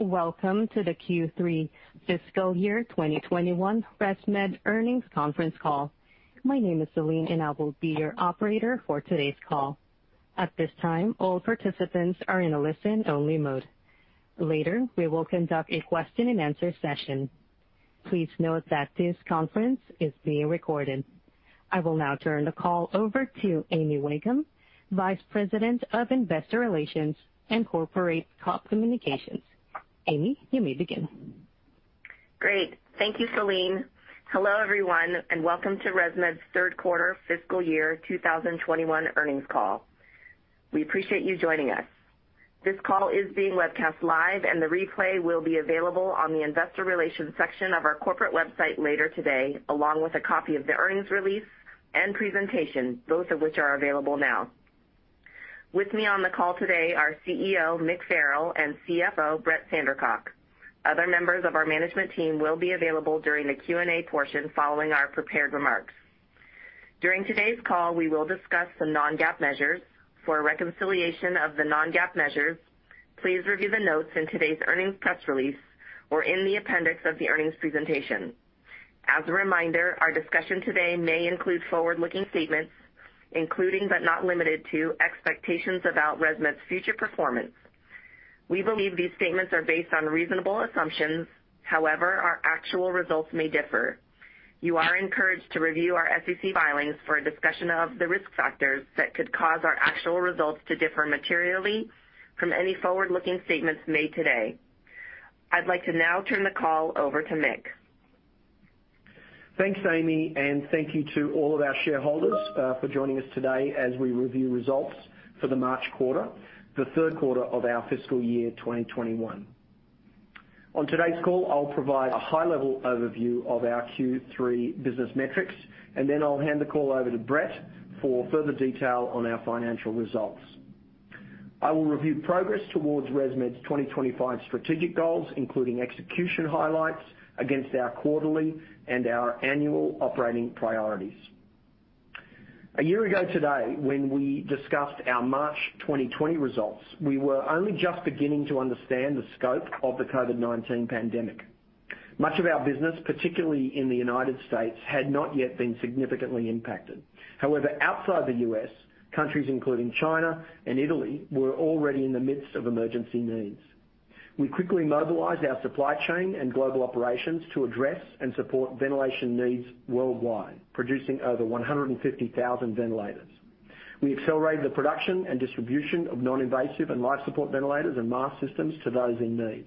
Welcome to the Q3 fiscal year 2021 ResMed earnings conference call. My name is Celine, and I will be your operator for today's call. At this time, all participants are in a listen-only mode. Later, we will conduct a question-and-answer session. Please note that this conference is being recorded. I will now turn the call over to Amy Wakeham, Vice President of Investor Relations and Corporate Communications. Amy, you may begin. Great. Thank you, Celine. Hello, everyone, welcome to ResMed's third quarter fiscal year 2021 earnings call. We appreciate you joining us. This call is being webcast live, the replay will be available on the investor relations section of our corporate website later today, along with a copy of the earnings release and presentation, both of which are available now. With me on the call today are CEO Mick Farrell and CFO Brett Sandercock. Other members of our management team will be available during the Q&A portion following our prepared remarks. During today's call, we will discuss some non-GAAP measures. For a reconciliation of the non-GAAP measures, please review the notes in today's earnings press release or in the appendix of the earnings presentation. As a reminder, our discussion today may include forward-looking statements, including but not limited to expectations about ResMed's future performance. We believe these statements are based on reasonable assumptions. Our actual results may differ. You are encouraged to review our SEC filings for a discussion of the Risk Factors that could cause our actual results to differ materially from any forward-looking statements made today. I'd like to now turn the call over to Mick. Thanks, Amy. Thank you to all of our shareholders for joining us today as we review results for the March quarter, the third quarter of our fiscal year 2021. On today's call, I'll provide a high-level overview of our Q3 business metrics. Then I'll hand the call over to Brett for further detail on our financial results. I will review progress towards ResMed's 2025 strategic goals, including execution highlights against our quarterly and our annual operating priorities. A year ago today, when we discussed our March 2020 results, we were only just beginning to understand the scope of the COVID-19 pandemic. Much of our business, particularly in the U.S., had not yet been significantly impacted. However, outside the U.S., countries including China and Italy were already in the midst of emergency needs. We quickly mobilized our supply chain and global operations to address and support ventilation needs worldwide, producing over 150,000 ventilators. We accelerated the production and distribution of non-invasive and life support ventilators and mask systems to those in need,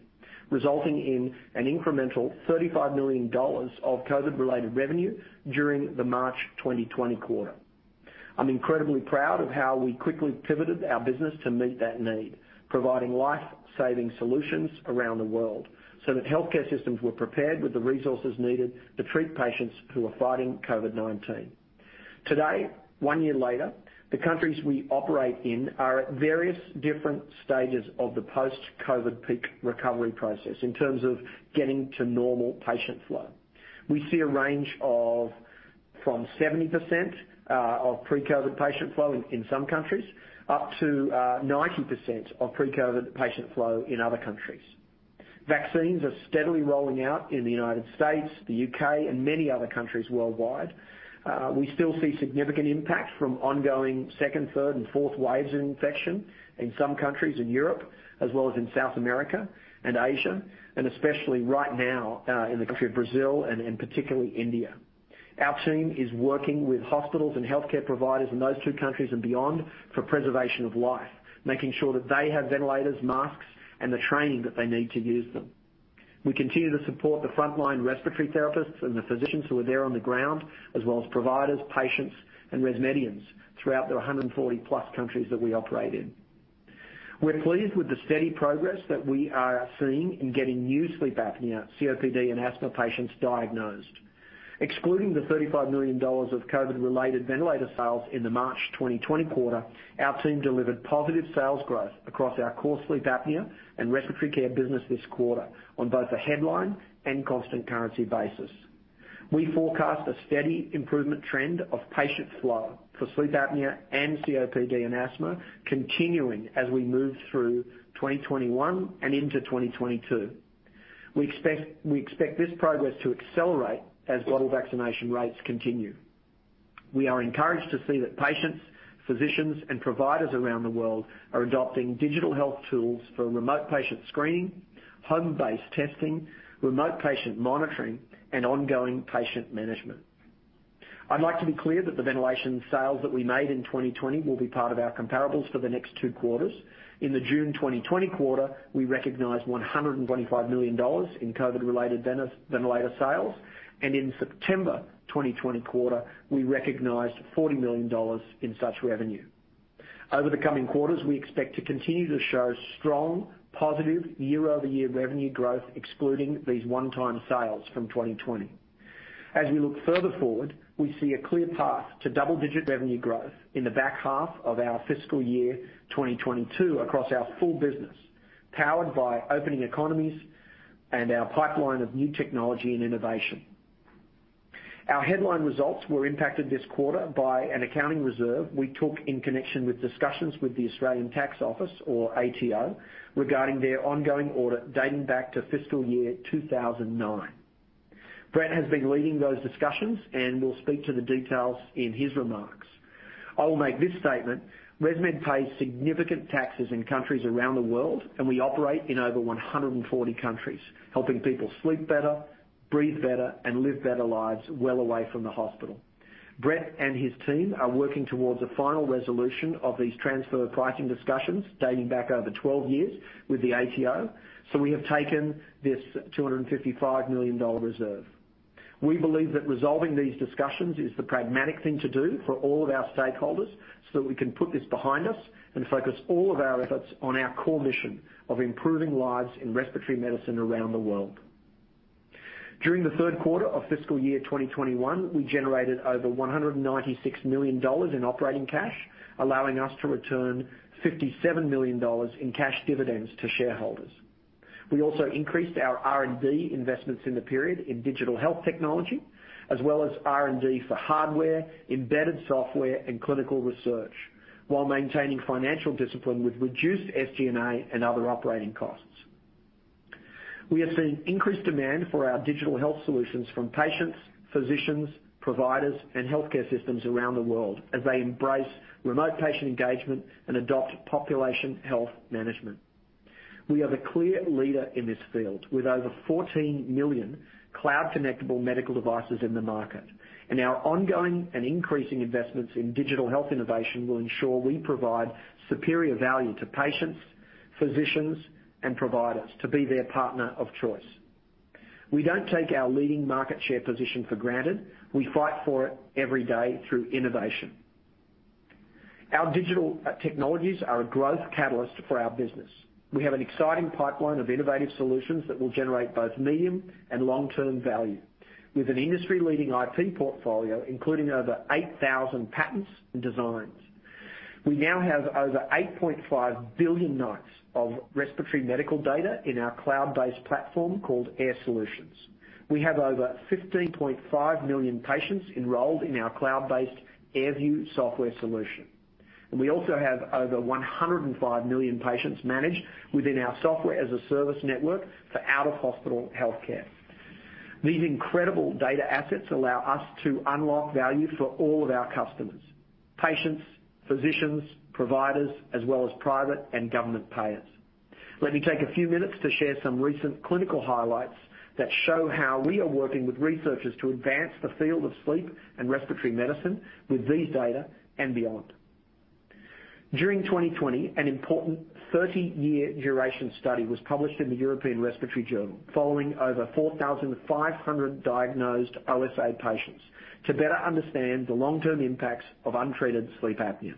resulting in an incremental $35 million of COVID-related revenue during the March 2020 quarter. I'm incredibly proud of how we quickly pivoted our business to meet that need, providing life-saving solutions around the world so that healthcare systems were prepared with the resources needed to treat patients who are fighting COVID-19. Today, one year later, the countries we operate in are at various different stages of the post-COVID peak recovery process in terms of getting to normal patient flow. We see a range of from 70% of pre-COVID patient flow in some countries, up to 90% of pre-COVID patient flow in other countries. Vaccines are steadily rolling out in the U.S., the U.K., and many other countries worldwide. We still see significant impact from ongoing second, third, and fourth waves of infection in some countries in Europe as well as in South America and Asia, and especially right now in the country of Brazil and in particular India. Our team is working with hospitals and healthcare providers in those two countries and beyond for preservation of life, making sure that they have ventilators, masks, and the training that they need to use them. We continue to support the frontline respiratory therapists and the physicians who are there on the ground, as well as providers, patients, and ResMedians throughout the 140-plus countries that we operate in. We're pleased with the steady progress that we are seeing in getting new sleep apnea, COPD, and asthma patients diagnosed. Excluding the $35 million of COVID-related ventilator sales in the March 2020 quarter, our team delivered positive sales growth across our core sleep apnea and respiratory care business this quarter on both a headline and constant currency basis. We forecast a steady improvement trend of patient flow for sleep apnea and COPD and asthma continuing as we move through 2021 and into 2022. We expect this progress to accelerate as global vaccination rates continue. We are encouraged to see that patients, physicians, and providers around the world are adopting digital health tools for remote patient screening, home-based testing, remote patient monitoring, and ongoing patient management. I'd like to be clear that the ventilation sales that we made in 2020 will be part of our comparables for the next two quarters. In the June 2020 quarter, we recognized $125 million in COVID-19-related ventilator sales, and in September 2020 quarter, we recognized $40 million in such revenue. Over the coming quarters, we expect to continue to show strong, positive year-over-year revenue growth excluding these one-time sales from 2020. As we look further forward, we see a clear path to double-digit revenue growth in the back half of our fiscal year 2022 across our full business, powered by opening economies and our pipeline of new technology and innovation. Our headline results were impacted this quarter by an accounting reserve we took in connection with discussions with the Australian Taxation Office, or ATO, regarding their ongoing audit dating back to fiscal year 2009. Brett has been leading those discussions and will speak to the details in his remarks. I will make this statement. ResMed pays significant taxes in countries around the world, and we operate in over 140 countries, helping people sleep better, breathe better and live better lives well away from the hospital. Brett and his team are working towards a final resolution of these transfer pricing discussions dating back over 12 years with the ATO. We have taken this $255 million reserve. We believe that resolving these discussions is the pragmatic thing to do for all of our stakeholders so that we can put this behind us and focus all of our efforts on our core mission of improving lives in respiratory medicine around the world. During the third quarter of fiscal year 2021, we generated over $196 million in operating cash, allowing us to return $57 million in cash dividends to shareholders. We also increased our R&D investments in the period in digital health technology, as well as R&D for hardware, embedded software and clinical research, while maintaining financial discipline with reduced SG&A and other operating costs. We have seen increased demand for our digital health solutions from patients, physicians, providers, and healthcare systems around the world as they embrace remote patient engagement and adopt population health management. We are the clear leader in this field with over 14 million cloud-connectable medical devices in the market, and our ongoing and increasing investments in digital health innovation will ensure we provide superior value to patients, physicians and providers to be their partner of choice. We don't take our leading market share position for granted. We fight for it every day through innovation. Our digital technologies are a growth catalyst for our business. We have an exciting pipeline of innovative solutions that will generate both medium and long-term value with an industry-leading IP portfolio, including over 8,000 patents and designs. We now have over 8.5 billion nights of respiratory medical data in our cloud-based platform called Air Solutions. We have over 15.5 million patients enrolled in our cloud-based AirView software solution, and we also have over 105 million patients managed within our Software-as-a-Service network for out-of-hospital healthcare. These incredible data assets allow us to unlock value for all of our customers, patients, physicians, providers, as well as private and government payers. Let me take a few minutes to share some recent clinical highlights that show how we are working with researchers to advance the field of sleep and respiratory medicine with these data and beyond. During 2020, an important 30-year duration study was published in the European Respiratory Journal following over 4,500 diagnosed OSA patients to better understand the long-term impacts of untreated sleep apnea.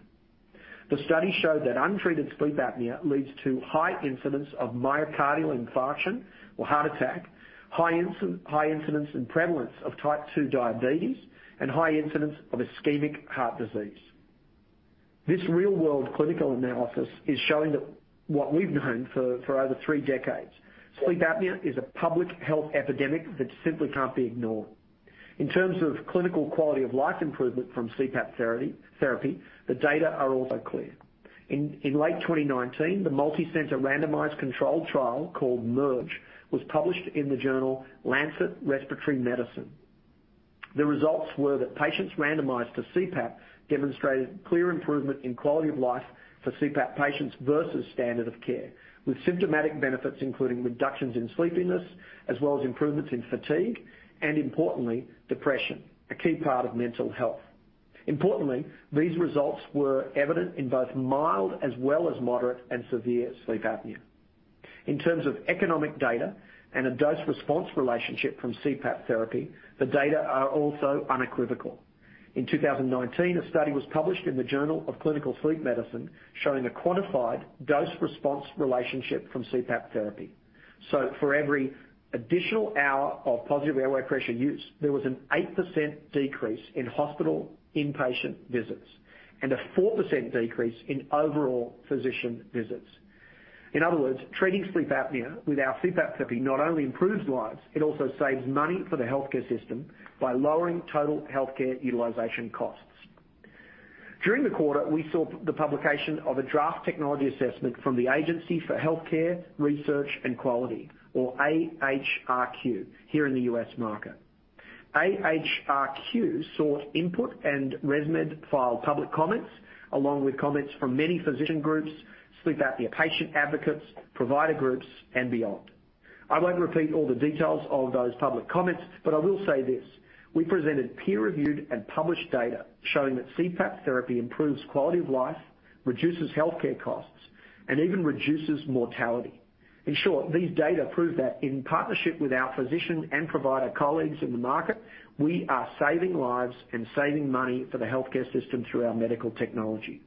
The study showed that untreated sleep apnea leads to high incidence of myocardial infarction or heart attack, high incidence and prevalence of type two diabetes, and high incidence of ischemic heart disease. This real world clinical analysis is showing what we've known for over three decades. Sleep apnea is a public health epidemic that simply can't be ignored. In terms of clinical quality of life improvement from CPAP therapy, the data are also clear. In late 2019, the multicenter randomized controlled trial called MERGE was published in the journal Lancet Respiratory Medicine. The results were that patients randomized to CPAP demonstrated clear improvement in quality of life for CPAP patients versus standard of care, with symptomatic benefits including reductions in sleepiness as well as improvements in fatigue and importantly, depression, a key part of mental health. Importantly, these results were evident in both mild as well as moderate and severe sleep apnea. In terms of economic data and a dose-response relationship from CPAP therapy, the data are also unequivocal. In 2019, a study was published in the Journal of Clinical Sleep Medicine showing a quantified dose-response relationship from CPAP therapy. For every additional hour of positive airway pressure use, there was an 8% decrease in hospital inpatient visits and a 4% decrease in overall physician visits. In other words, treating sleep apnea with our CPAP therapy not only improves lives, it also saves money for the healthcare system by lowering total healthcare utilization costs. During the quarter, we saw the publication of a draft technology assessment from the Agency for Healthcare Research and Quality, or AHRQ, here in the U.S. market. AHRQ sought input, and ResMed filed public comments along with comments from many physician groups, sleep apnea patient advocates, provider groups and beyond. I won't repeat all the details of those public comments, but I will say this. We presented peer-reviewed and published data showing that CPAP therapy improves quality of life, reduces healthcare costs, and even reduces mortality. In short, these data prove that in partnership with our physician and provider colleagues in the market, we are saving lives and saving money for the healthcare system through our medical technology.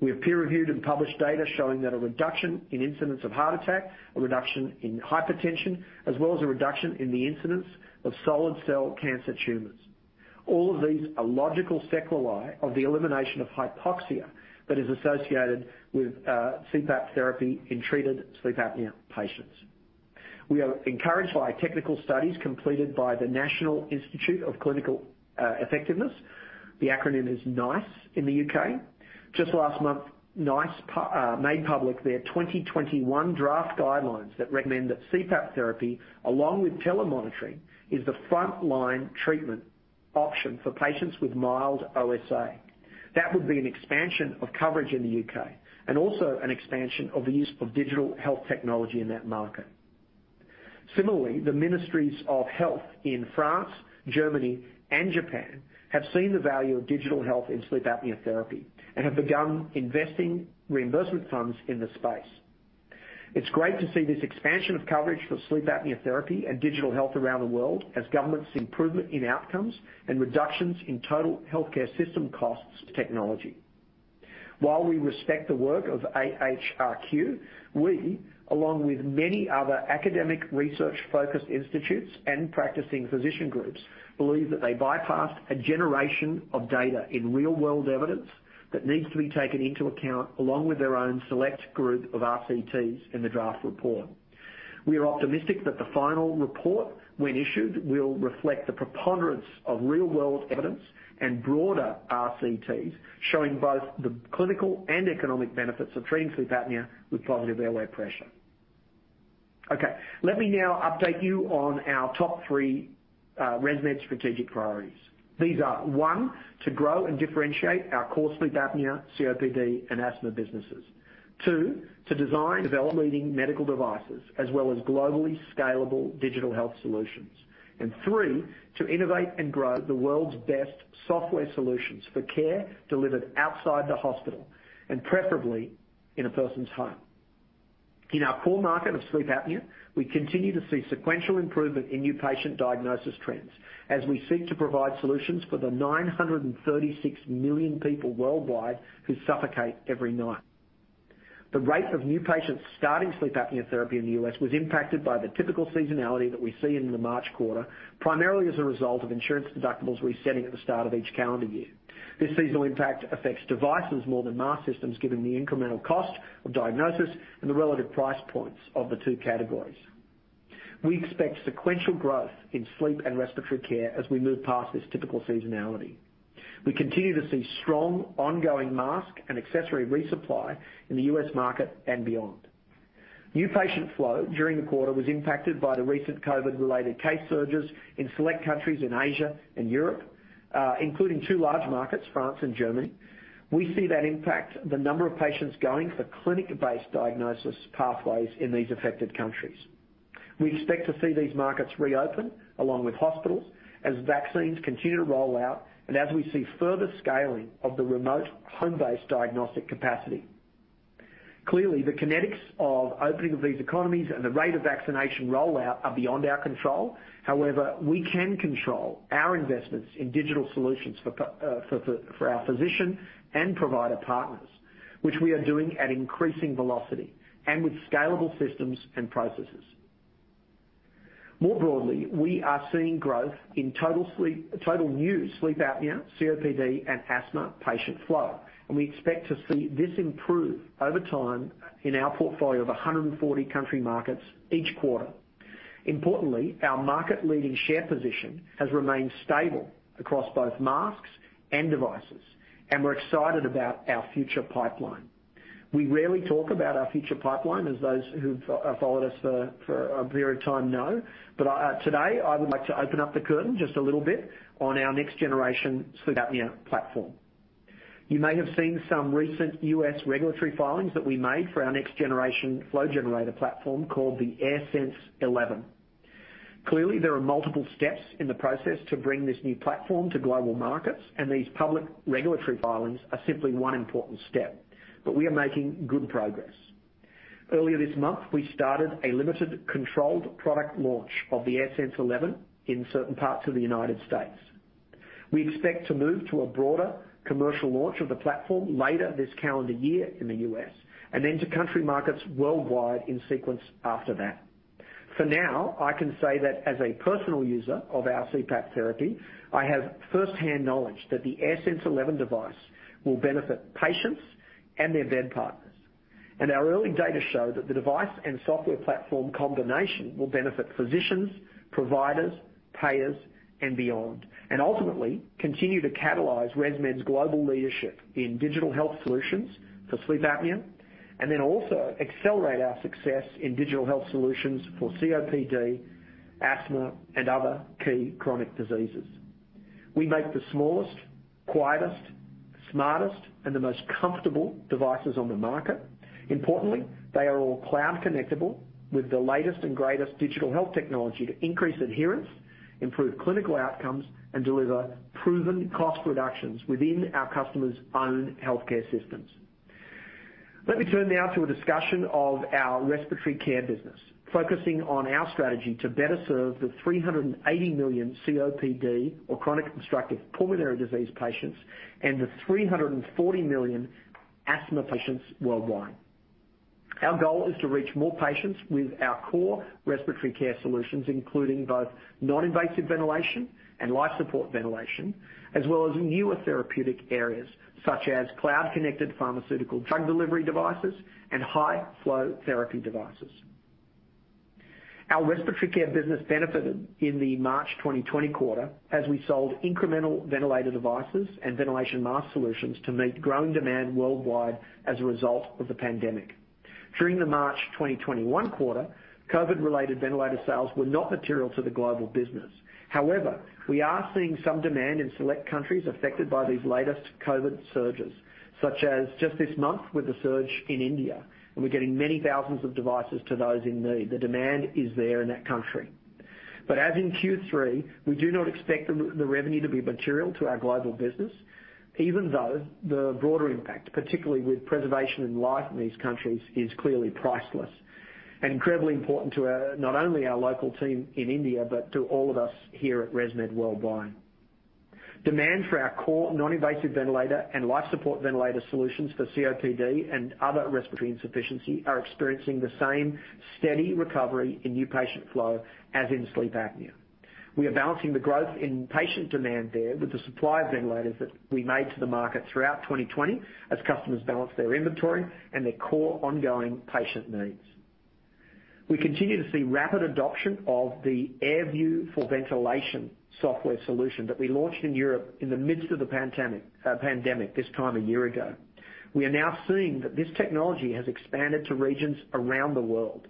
We have peer-reviewed and published data showing that a reduction in incidence of heart attack, a reduction in hypertension, as well as a reduction in the incidence of solid tumor cancer. All of these are logical sequelae of the elimination of hypoxia that is associated with CPAP therapy in treated sleep apnea patients. We are encouraged by technical studies completed by the National Institute for Health and Care Excellence, the acronym is NICE, in the U.K. Just last month, NICE made public their 2021 draft guidelines that recommend that CPAP therapy, along with telemonitoring, is the frontline treatment option for patients with mild OSA. That would be an expansion of coverage in the U.K., also an expansion of the use of digital health technology in that market. Similarly, the Ministries of Health in France, Germany, and Japan have seen the value of digital health in sleep apnea therapy, and have begun investing reimbursement funds in this space. It's great to see this expansion of coverage for sleep apnea therapy and digital health around the world, as governments improvement in outcomes and reductions in total healthcare system costs technology. While we respect the work of AHRQ, we, along with many other academic research-focused institutes and practicing physician groups, believe that they bypassed a generation of data in real world evidence that needs to be taken into account, along with their own select group of RCTs in the draft report. We are optimistic that the final report, when issued, will reflect the preponderance of real world evidence and broader RCTs, showing both the clinical and economic benefits of treating sleep apnea with positive airway pressure. Okay. Let me now update you on our top three ResMed strategic priorities. These are, one, to grow and differentiate our core sleep apnea, COPD, and asthma businesses. Two, to design leading medical devices as well as globally scalable digital health solutions. Three, to innovate and grow the world's best software solutions for care delivered outside the hospital, and preferably in a person's home. In our core market of sleep apnea, we continue to see sequential improvement in new patient diagnosis trends, as we seek to provide solutions for the 936 million people worldwide who suffocate every night. The rate of new patients starting sleep apnea therapy in the U.S. was impacted by the typical seasonality that we see in the March quarter, primarily as a result of insurance deductibles resetting at the start of each calendar year. This seasonal impact affects devices more than mask systems, given the incremental cost of diagnosis and the relative price points of the two categories. We expect sequential growth in Sleep and Respiratory Care as we move past this typical seasonality. We continue to see strong ongoing mask and accessory resupply in the U.S. market and beyond. New patient flow during the quarter was impacted by the recent COVID-related case surges in select countries in Asia and Europe, including two large markets, France and Germany. We see that impact the number of patients going for clinic-based diagnosis pathways in these affected countries. We expect to see these markets reopen along with hospitals as vaccines continue to roll out and as we see further scaling of the remote home-based diagnostic capacity. Clearly, the kinetics of opening of these economies and the rate of vaccination rollout are beyond our control. We can control our investments in digital solutions for our physician and provider partners, which we are doing at increasing velocity, and with scalable systems and processes. We are seeing growth in total new sleep apnea, COPD, and asthma patient flow, and we expect to see this improve over time in our portfolio of 140 country markets each quarter. Our market leading share position has remained stable across both masks and devices. We're excited about our future pipeline. We rarely talk about our future pipeline, as those who've followed us for a period of time know. Today I would like to open up the curtain just a little bit on our next generation sleep apnea platform. You may have seen some recent U.S. regulatory filings that we made for our next generation flow generator platform called the AirSense 11. Clearly, there are multiple steps in the process to bring this new platform to global markets, and these public regulatory filings are simply one important step. We are making good progress. Earlier this month, we started a limited controlled product launch of the AirSense 11 in certain parts of the U.S. We expect to move to a broader commercial launch of the platform later this calendar year in the U.S., and then to country markets worldwide in sequence after that. For now, I can say that as a personal user of our CPAP therapy, I have firsthand knowledge that the AirSense 11 device will benefit patients and their bed partners. Our early data show that the device and software platform combination will benefit physicians, providers, payers, and beyond. Ultimately, continue to catalyze ResMed's global leadership in digital health solutions for sleep apnea, and then also accelerate our success in digital health solutions for COPD, asthma, and other key chronic diseases. We make the smallest, quietest, smartest, and the most comfortable devices on the market. Importantly, they are all cloud connectable with the latest and greatest digital health technology to increase adherence, improve clinical outcomes, and deliver proven cost reductions within our customers' own healthcare systems. Let me turn now to a discussion of our respiratory care business, focusing on our strategy to better serve the 380 million COPD or chronic obstructive pulmonary disease patients and the 340 million asthma patients worldwide. Our goal is to reach more patients with our core respiratory care solutions, including both non-invasive ventilation and life support ventilation, as well as newer therapeutic areas such as cloud-connected pharmaceutical drug delivery devices and high-flow therapy devices. Our respiratory care business benefited in the March 2020 quarter as we sold incremental ventilator devices and ventilation mask solutions to meet growing demand worldwide as a result of the pandemic. During the March 2021 quarter, COVID-related ventilator sales were not material to the global business. However, we are seeing some demand in select countries affected by these latest COVID surges, such as just this month with the surge in India, and we're getting many thousands of devices to those in need. The demand is there in that country. As in Q3, we do not expect the revenue to be material to our global business, even though the broader impact, particularly with preservation and life in these countries, is clearly priceless and incredibly important to not only our local team in India but to all of us here at ResMed worldwide. Demand for our core non-invasive ventilator and life support ventilator solutions for COPD and other respiratory insufficiency are experiencing the same steady recovery in new patient flow as in sleep apnea. We are balancing the growth in patient demand there with the supply of ventilators that we made to the market throughout 2020 as customers balance their inventory and their core ongoing patient needs. We continue to see rapid adoption of the AirView for Ventilation software solution that we launched in Europe in the midst of the pandemic this time a year ago. We are now seeing that this technology has expanded to regions around the world.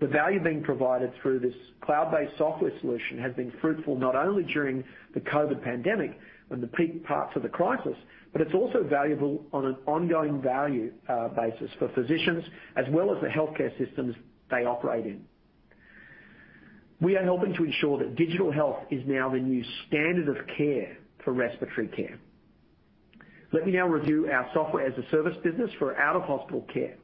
The value being provided through this cloud-based software solution has been fruitful, not only during the COVID pandemic and the peak parts of the crisis, but it's also valuable on an ongoing value basis for physicians as well as the healthcare systems they operate in. We are helping to ensure that digital health is now the new standard of care for respiratory care. Let me now review our Software-as-a-Service business for out-of-hospital care.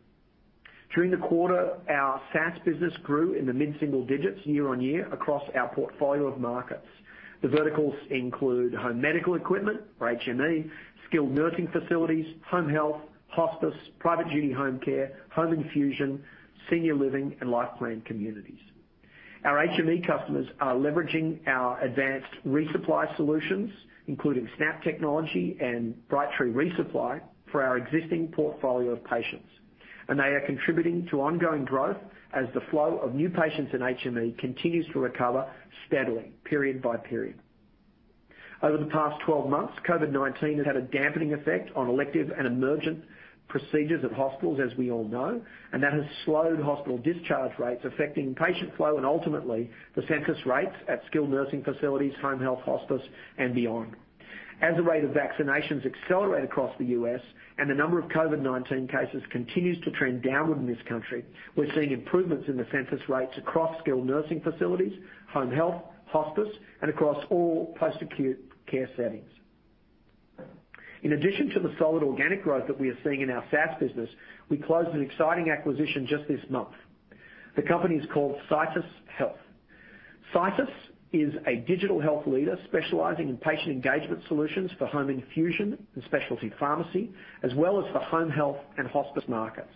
During the quarter, our SaaS business grew in the mid-single digits year-over-year across our portfolio of markets. The verticals include home medical equipment or HME, skilled nursing facilities, home health, hospice, private duty home care, home infusion, senior living, and life plan communities. Our HME customers are leveraging our advanced resupply solutions, including SNAP technology and Brightree resupply for our existing portfolio of patients. They are contributing to ongoing growth as the flow of new patients in HME continues to recover steadily period by period. Over the past 12 months, COVID-19 has had a dampening effect on elective and emergent procedures at hospitals, as we all know, and that has slowed hospital discharge rates, affecting patient flow and ultimately the census rates at skilled nursing facilities, home health, hospice and beyond. As the rate of vaccinations accelerate across the U.S. and the number of COVID-19 cases continues to trend downward in this country, we're seeing improvements in the census rates across skilled nursing facilities, home health, hospice, and across all post-acute care settings. In addition to the solid organic growth that we are seeing in our SaaS business, we closed an exciting acquisition just this month. The company is called CitusHealth. Citus is a digital health leader specializing in patient engagement solutions for home infusion and specialty pharmacy, as well as for home health and hospice markets.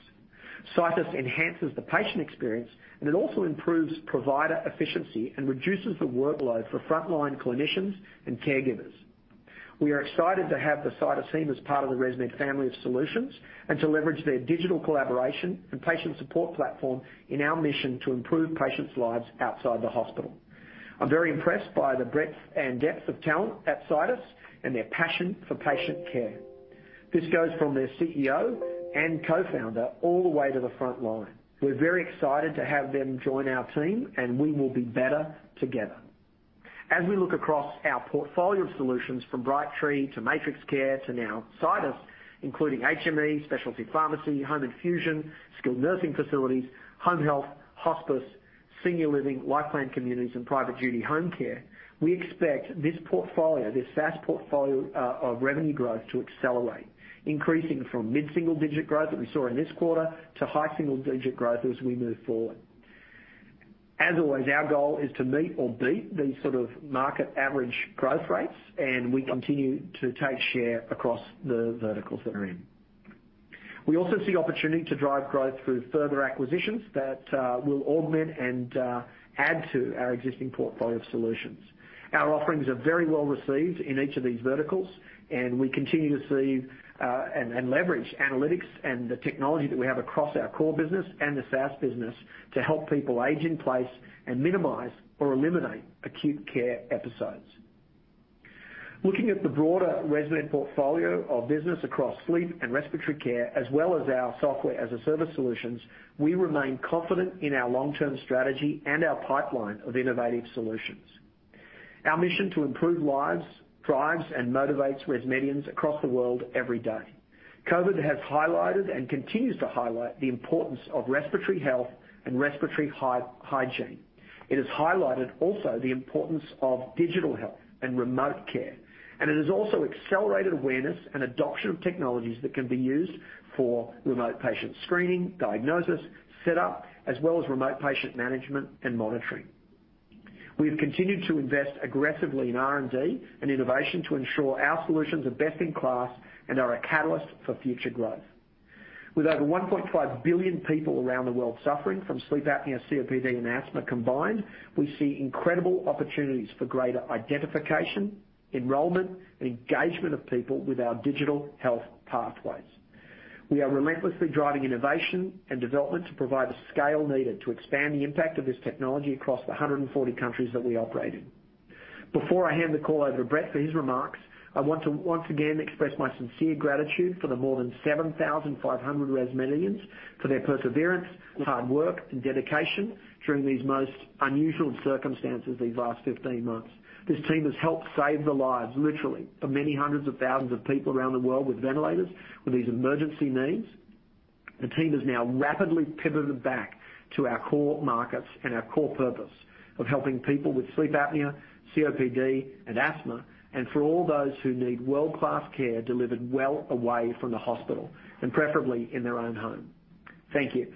Citus enhances the patient experience, and it also improves provider efficiency and reduces the workload for frontline clinicians and caregivers. We are excited to have the Citus team as part of the ResMed family of solutions and to leverage their digital collaboration and patient support platform in our mission to improve patients' lives outside the hospital. I'm very impressed by the breadth and depth of talent at Citus and their passion for patient care. This goes from their CEO and co-founder all the way to the front line. We're very excited to have them join our team, and we will be better together. As we look across our portfolio of solutions, from Brightree to MatrixCare to now Citus, including HME, specialty pharmacy, home infusion, skilled nursing facilities, home health, hospice, senior living, life plan communities, and private duty home care, we expect this SaaS portfolio of revenue growth to accelerate, increasing from mid-single-digit growth that we saw in this quarter to high single-digit growth as we move forward. As always, our goal is to meet or beat these sort of market average growth rates, and we continue to take share across the verticals that we're in. We also see opportunity to drive growth through further acquisitions that will augment and add to our existing portfolio of solutions. Our offerings are very well received in each of these verticals, and we continue to see and leverage analytics and the technology that we have across our core business and the SaaS business to help people age in place and minimize or eliminate acute care episodes. Looking at the broader ResMed portfolio of business across sleep and respiratory care, as well as our Software-as-a-Service solutions, we remain confident in our long-term strategy and our pipeline of innovative solutions. Our mission to improve lives drives and motivates ResMedians across the world every day. COVID has highlighted and continues to highlight the importance of respiratory health and respiratory hygiene. It has highlighted also the importance of digital health and remote care, and it has also accelerated awareness and adoption of technologies that can be used for remote patient screening, diagnosis, setup, as well as remote patient management and monitoring. We have continued to invest aggressively in R&D and innovation to ensure our solutions are best in class and are a catalyst for future growth. With over 1.5 billion people around the world suffering from sleep apnea, COPD, and asthma combined, we see incredible opportunities for greater identification, enrollment, and engagement of people with our digital health pathways. We are relentlessly driving innovation and development to provide the scale needed to expand the impact of this technology across the 140 countries that we operate in. Before I hand the call over to Brett for his remarks, I want to once again express my sincere gratitude for the more than 7,500 ResMedians for their perseverance, hard work, and dedication during these most unusual circumstances these last 15 months. This team has helped save the lives, literally, of many hundreds of thousands of people around the world with ventilators, with these emergency needs. The team has now rapidly pivoted back to our core markets and our core purpose of helping people with sleep apnea, COPD, and asthma, and for all those who need world-class care delivered well away from the hospital, and preferably in their own home. Thank you.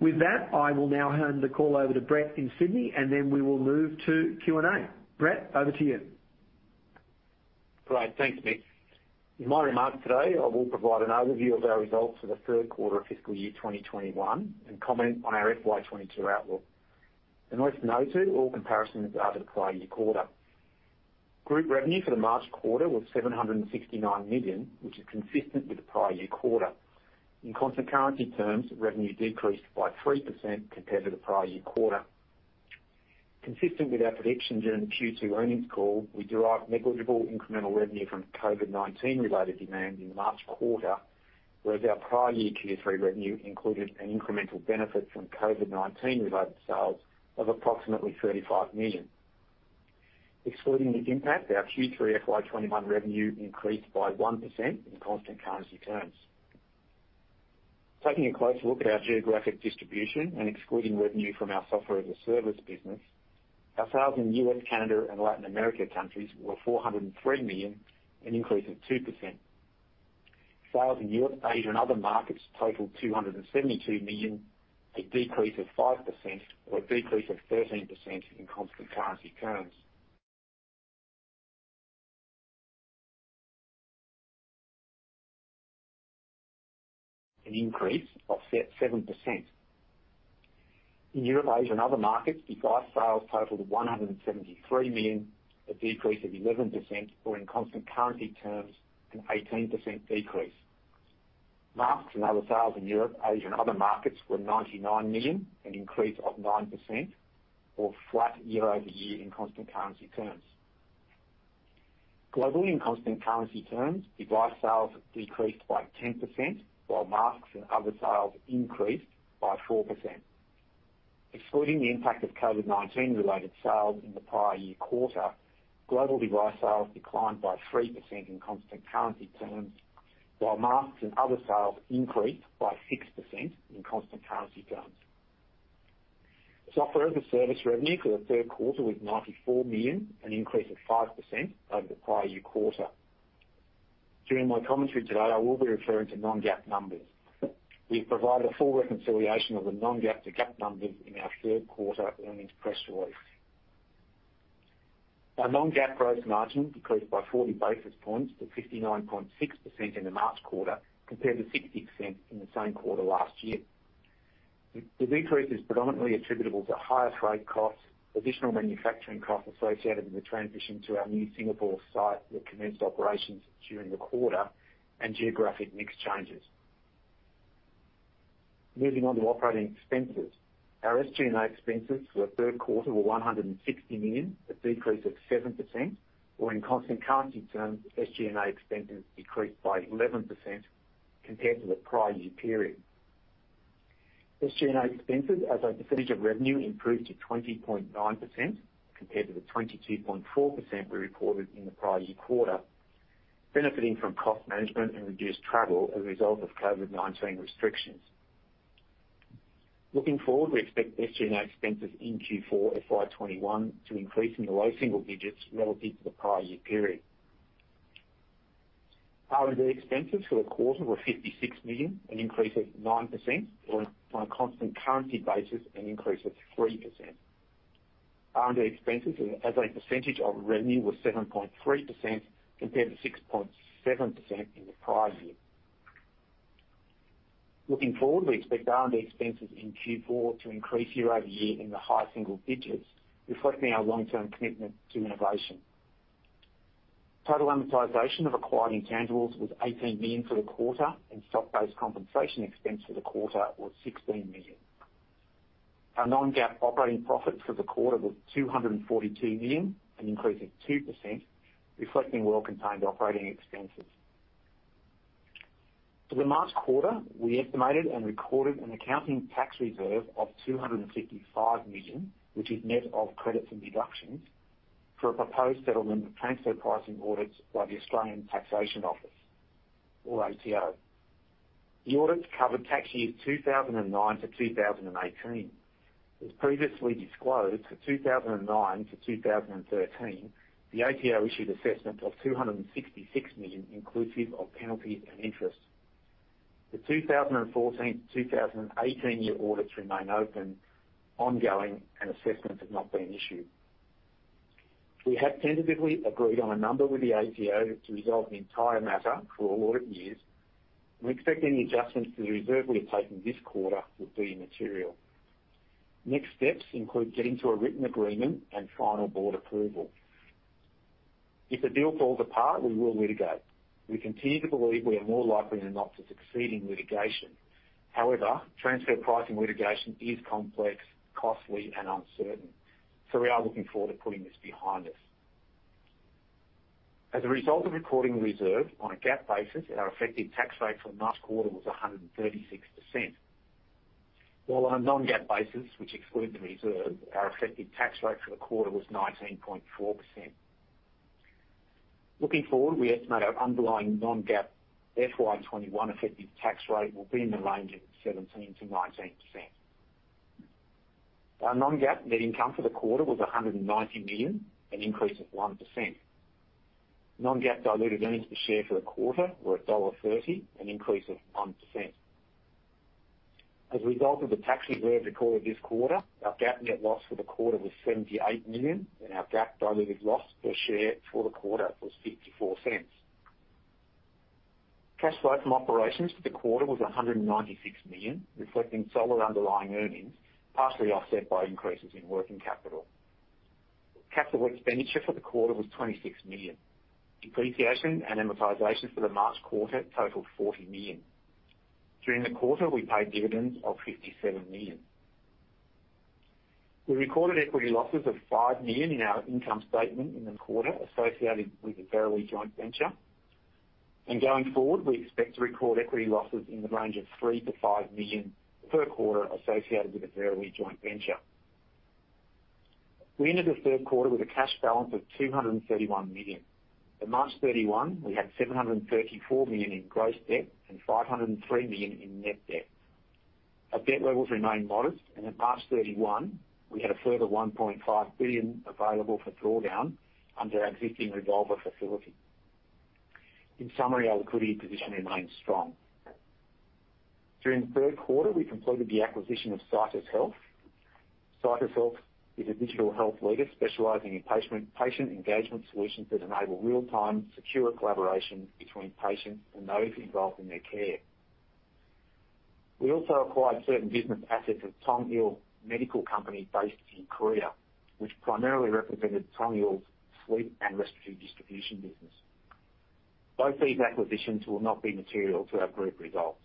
With that, I will now hand the call over to Brett in Sydney, and then we will move to Q&A. Brett, over to you. Great. Thanks, Mick. In my remarks today, I will provide an overview of our results for the third quarter of fiscal year 2021 and comment on our FY 2022 outlook. As noted, all comparisons are to the prior year quarter. Group revenue for the March quarter was $769 million, which is consistent with the prior year quarter. In constant currency terms, revenue decreased by 3% compared to the prior year quarter. Consistent with our predictions during the Q2 earnings call, we derived negligible incremental revenue from COVID-19 related demand in the March quarter, whereas our prior year Q3 revenue included an incremental benefit from COVID-19 related sales of approximately $35 million. Excluding the impact, our Q3 FY 2021 revenue increased by 1% in constant currency terms. Taking a closer look at our geographic distribution and excluding revenue from our Software-as-a-Service business, our sales in U.S., Canada, and Latin America countries were $403 million, an increase of 2%. Sales in Europe, Asia, and other markets totaled $272 million, a decrease of 5%, or a decrease of 13% in constant currency terms. An increase of 7%. In Europe, Asia, and other markets, device sales totaled $173 million, a decrease of 11%, or in constant currency terms, an 18% decrease. Masks and other sales in Europe, Asia, and other markets were $99 million, an increase of 9%, or flat year-over-year in constant currency terms. Globally, in constant currency terms, device sales decreased by 10%, while masks and other sales increased by 4%. Excluding the impact of COVID-19 related sales in the prior year quarter, global device sales declined by 3% in constant currency terms, while masks and other sales increased by 6% in constant currency terms. Software-as-a-Service revenue for the third quarter was $94 million, an increase of 5% over the prior year quarter. During my commentary today, I will be referring to non-GAAP numbers. We've provided a full reconciliation of the non-GAAP to GAAP numbers in our third quarter earnings press release. Our non-GAAP gross margin decreased by 40 basis points to 59.6% in the March quarter, compared to 60% in the same quarter last year. The decrease is predominantly attributable to higher freight costs, additional manufacturing costs associated with the transition to our new Singapore site that commenced operations during the quarter, and geographic mix changes. Moving on to operating expenses. Our SG&A expenses for the third quarter were $160 million, a decrease of 7%, or in constant currency terms, SG&A expenses decreased by 11% compared to the prior year period. SG&A expenses as a percentage of revenue improved to 20.9% compared to the 22.4% we reported in the prior year quarter, benefiting from cost management and reduced travel as a result of COVID-19 restrictions. Looking forward, we expect SG&A expenses in Q4 FY 2021 to increase in the low single digits relative to the prior year period. R&D expenses for the quarter were $56 million, an increase of 9%, or on a constant currency basis, an increase of 3%. R&D expenses as a percentage of revenue was 7.3% compared to 6.7% in the prior year. Looking forward, we expect R&D expenses in Q4 to increase year-over-year in the high single digits, reflecting our long-term commitment to innovation. Total amortization of acquired intangibles was $18 million for the quarter, and stock-based compensation expense for the quarter was $16 million. Our non-GAAP operating profits for the quarter were $242 million, an increase of 2%, reflecting well-contained operating expenses. For the March quarter, we estimated and recorded an accounting tax reserve of $255 million, which is net of credits and deductions, for a proposed settlement of transfer pricing audits by the Australian Taxation Office, or ATO. The audits covered tax years 2009 to 2018. As previously disclosed, for 2009 to 2013, the ATO issued assessment of $266 million, inclusive of penalties and interest. The 2014 to 2018 year audits remain open, ongoing, and assessments have not been issued. We have tentatively agreed on a number with the ATO to resolve the entire matter for all audit years, and we expect any adjustments to the reserve we have taken this quarter would be immaterial. Next steps include getting to a written agreement and final board approval. If the deal falls apart, we will litigate. We continue to believe we are more likely than not to succeed in litigation. However, transfer pricing litigation is complex, costly, and uncertain. We are looking forward to putting this behind us. As a result of recording the reserve on a GAAP basis, our effective tax rate for the March quarter was 136%. While on a non-GAAP basis, which excludes the reserve, our effective tax rate for the quarter was 19.4%. Looking forward, we estimate our underlying non-GAAP FY 2021 effective tax rate will be in the range of 17%-19%. Our non-GAAP net income for the quarter was $190 million, an increase of 1%. Non-GAAP diluted earnings per share for the quarter were $1.30, an increase of 1%. As a result of the tax reserve recorded this quarter, our GAAP net loss for the quarter was $78 million, and our GAAP diluted loss per share for the quarter was $0.54. Cash flow from operations for the quarter was $196 million, reflecting solid underlying earnings, partially offset by increases in working capital. Capital expenditure for the quarter was $26 million. Depreciation and amortization for the March quarter totaled $40 million. During the quarter, we paid dividends of $57 million. We recorded equity losses of $5 million in our income statement in the quarter associated with the Verily joint venture. Going forward, we expect to record equity losses in the range of $3 million-$5 million per quarter associated with the Verily joint venture. We ended the third quarter with a cash balance of $231 million. At March 31, we had $734 million in gross debt and $503 million in net debt. Our debt levels remain modest, and at March 31, we had a further $1.5 billion available for drawdown under our existing revolver facility. In summary, our liquidity position remains strong. During the third quarter, we completed the acquisition of CitusHealth. CitusHealth is a digital health leader specializing in patient engagement solutions that enable real-time, secure collaboration between patients and those involved in their care. We also acquired certain business assets of Tongil Medical Company based in Korea, which primarily represented Tongil's sleep and respiratory distribution business. Both these acquisitions will not be material to our group results.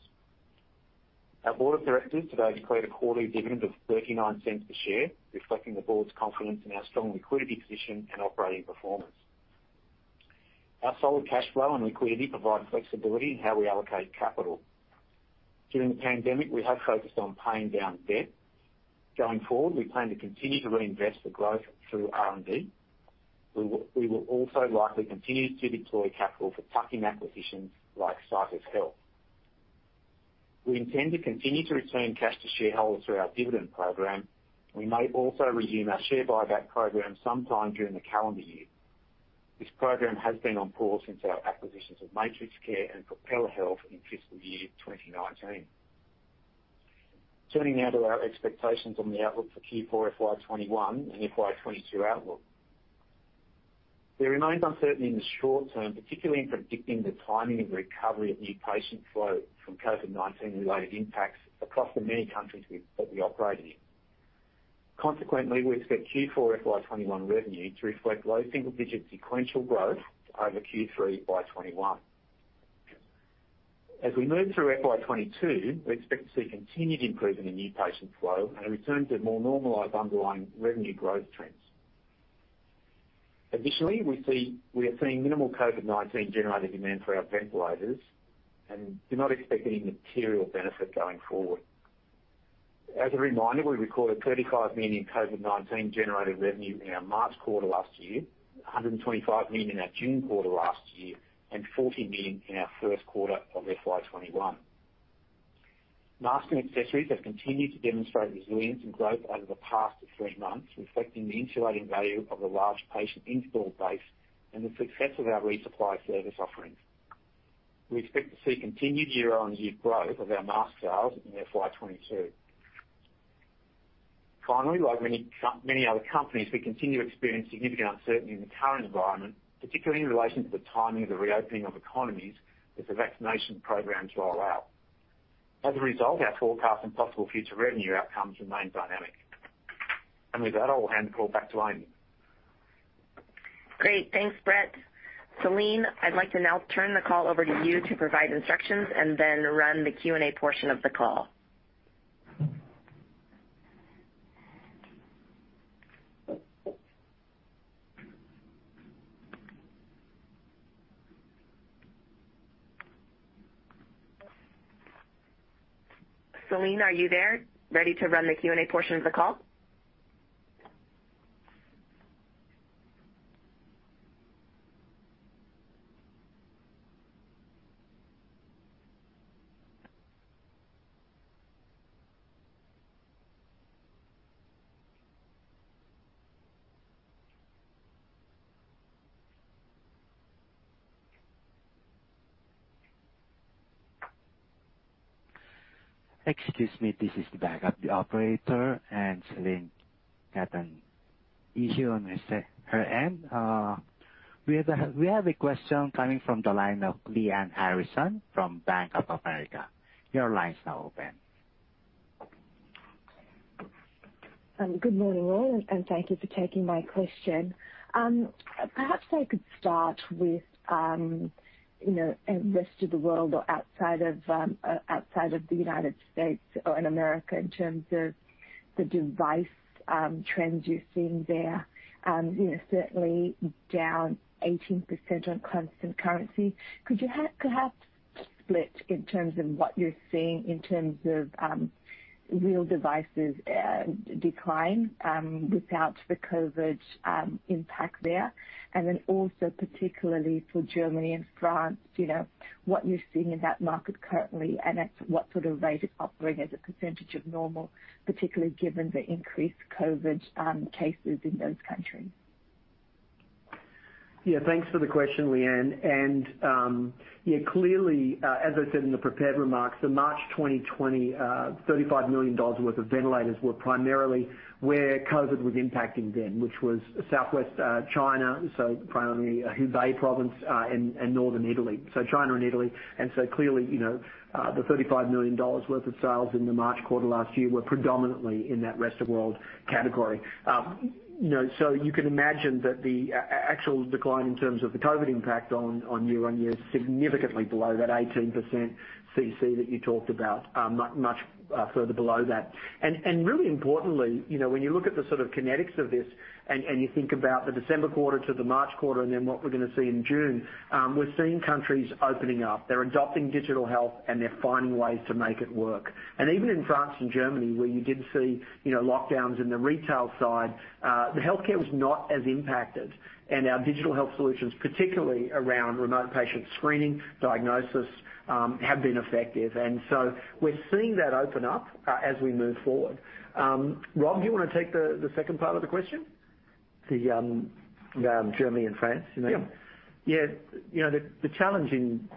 Our Board of Directors today declared a quarterly dividend of $0.39 per share, reflecting the board's confidence in our strong liquidity position and operating performance. Our solid cash flow and liquidity provide flexibility in how we allocate capital. During the pandemic, we have focused on paying down debt. Going forward, we plan to continue to reinvest for growth through R&D. We will also likely continue to deploy capital for tuck-in acquisitions like CitusHealth. We intend to continue to return cash to shareholders through our dividend program. We may also resume our share buyback program sometime during the calendar year. This program has been on pause since our acquisitions of MatrixCare and Propeller Health in fiscal year 2019. Turning now to our expectations on the outlook for Q4 FY 2021 and FY 2022 outlook. There remains uncertainty in the short-term, particularly in predicting the timing of recovery of new patient flow from COVID-19 related impacts across the many countries that we operate in. We expect Q4 FY 2021 revenue to reflect low single-digit sequential growth over Q3 FY 2021. As we move through FY 2022, we expect to see continued improvement in new patient flow and a return to more normalized underlying revenue growth trends. Additionally, we are seeing minimal COVID-19 generated demand for our ventilators and do not expect any material benefit going forward. As a reminder, we recorded $35 million in COVID-19 generated revenue in our March quarter last year, $125 million in our June quarter last year, and $40 million in our first quarter of FY 2021. Mask and accessories have continued to demonstrate resilience and growth over the past three months, reflecting the insulating value of the large patient installed base and the success of our resupply service offerings. We expect to see continued year-on-year growth of our mask sales in FY22. Finally, like many other companies, we continue to experience significant uncertainty in the current environment, particularly in relation to the timing of the reopening of economies as the vaccination programs roll out. As a result, our forecast and possible future revenue outcomes remain dynamic. With that, I'll hand the call back to Amy. Great. Thanks, Brett. Celine, I'd like to now turn the call over to you to provide instructions and then run the Q&A portion of the call. Celine, are you there? Ready to run the Q&A portion of the call? Excuse me. This is the backup operator. Celine had an issue on her end. We have a question coming from the line of Lyanne Harrison from Bank of America. Your line's now open. Good morning, all, and thank you for taking my question. Perhaps I could start with rest of the world or outside of the United States or Latin America in terms of the device trends you're seeing there. Certainly down 18% on constant currency. Could you perhaps split in terms of what you're seeing in terms of real devices decline without the COVID impact there? Particularly for Germany and France, what you're seeing in that market currently, and at what sort of rate it's operating as a percentage of normal, particularly given the increased COVID cases in those countries. Yeah. Thanks for the question, Lyanne. Clearly, as I said in the prepared remarks, the March 2020, $35 million worth of ventilators were primarily where COVID was impacting then, which was Southwest China, so primarily Hubei province, and Northern Italy. China and Italy. Clearly, the $35 million worth of sales in the March quarter last year were predominantly in that rest of world category. You can imagine that the actual decline in terms of the COVID impact on year-on-year is significantly below that 18% CC that you talked about, much further below that. Really importantly, when you look at the sort of kinetics of this and you think about the December quarter to the March quarter and then what we're going to see in June, we're seeing countries opening up. They're adopting digital health, and they're finding ways to make it work. Even in France and Germany, where you did see lockdowns in the retail side, the healthcare was not as impacted. Our digital health solutions, particularly around remote patient screening, diagnosis, have been effective. We're seeing that open up as we move forward. Rob, do you want to take the second part of the question? The Germany and France? Yeah. Yeah. The challenge in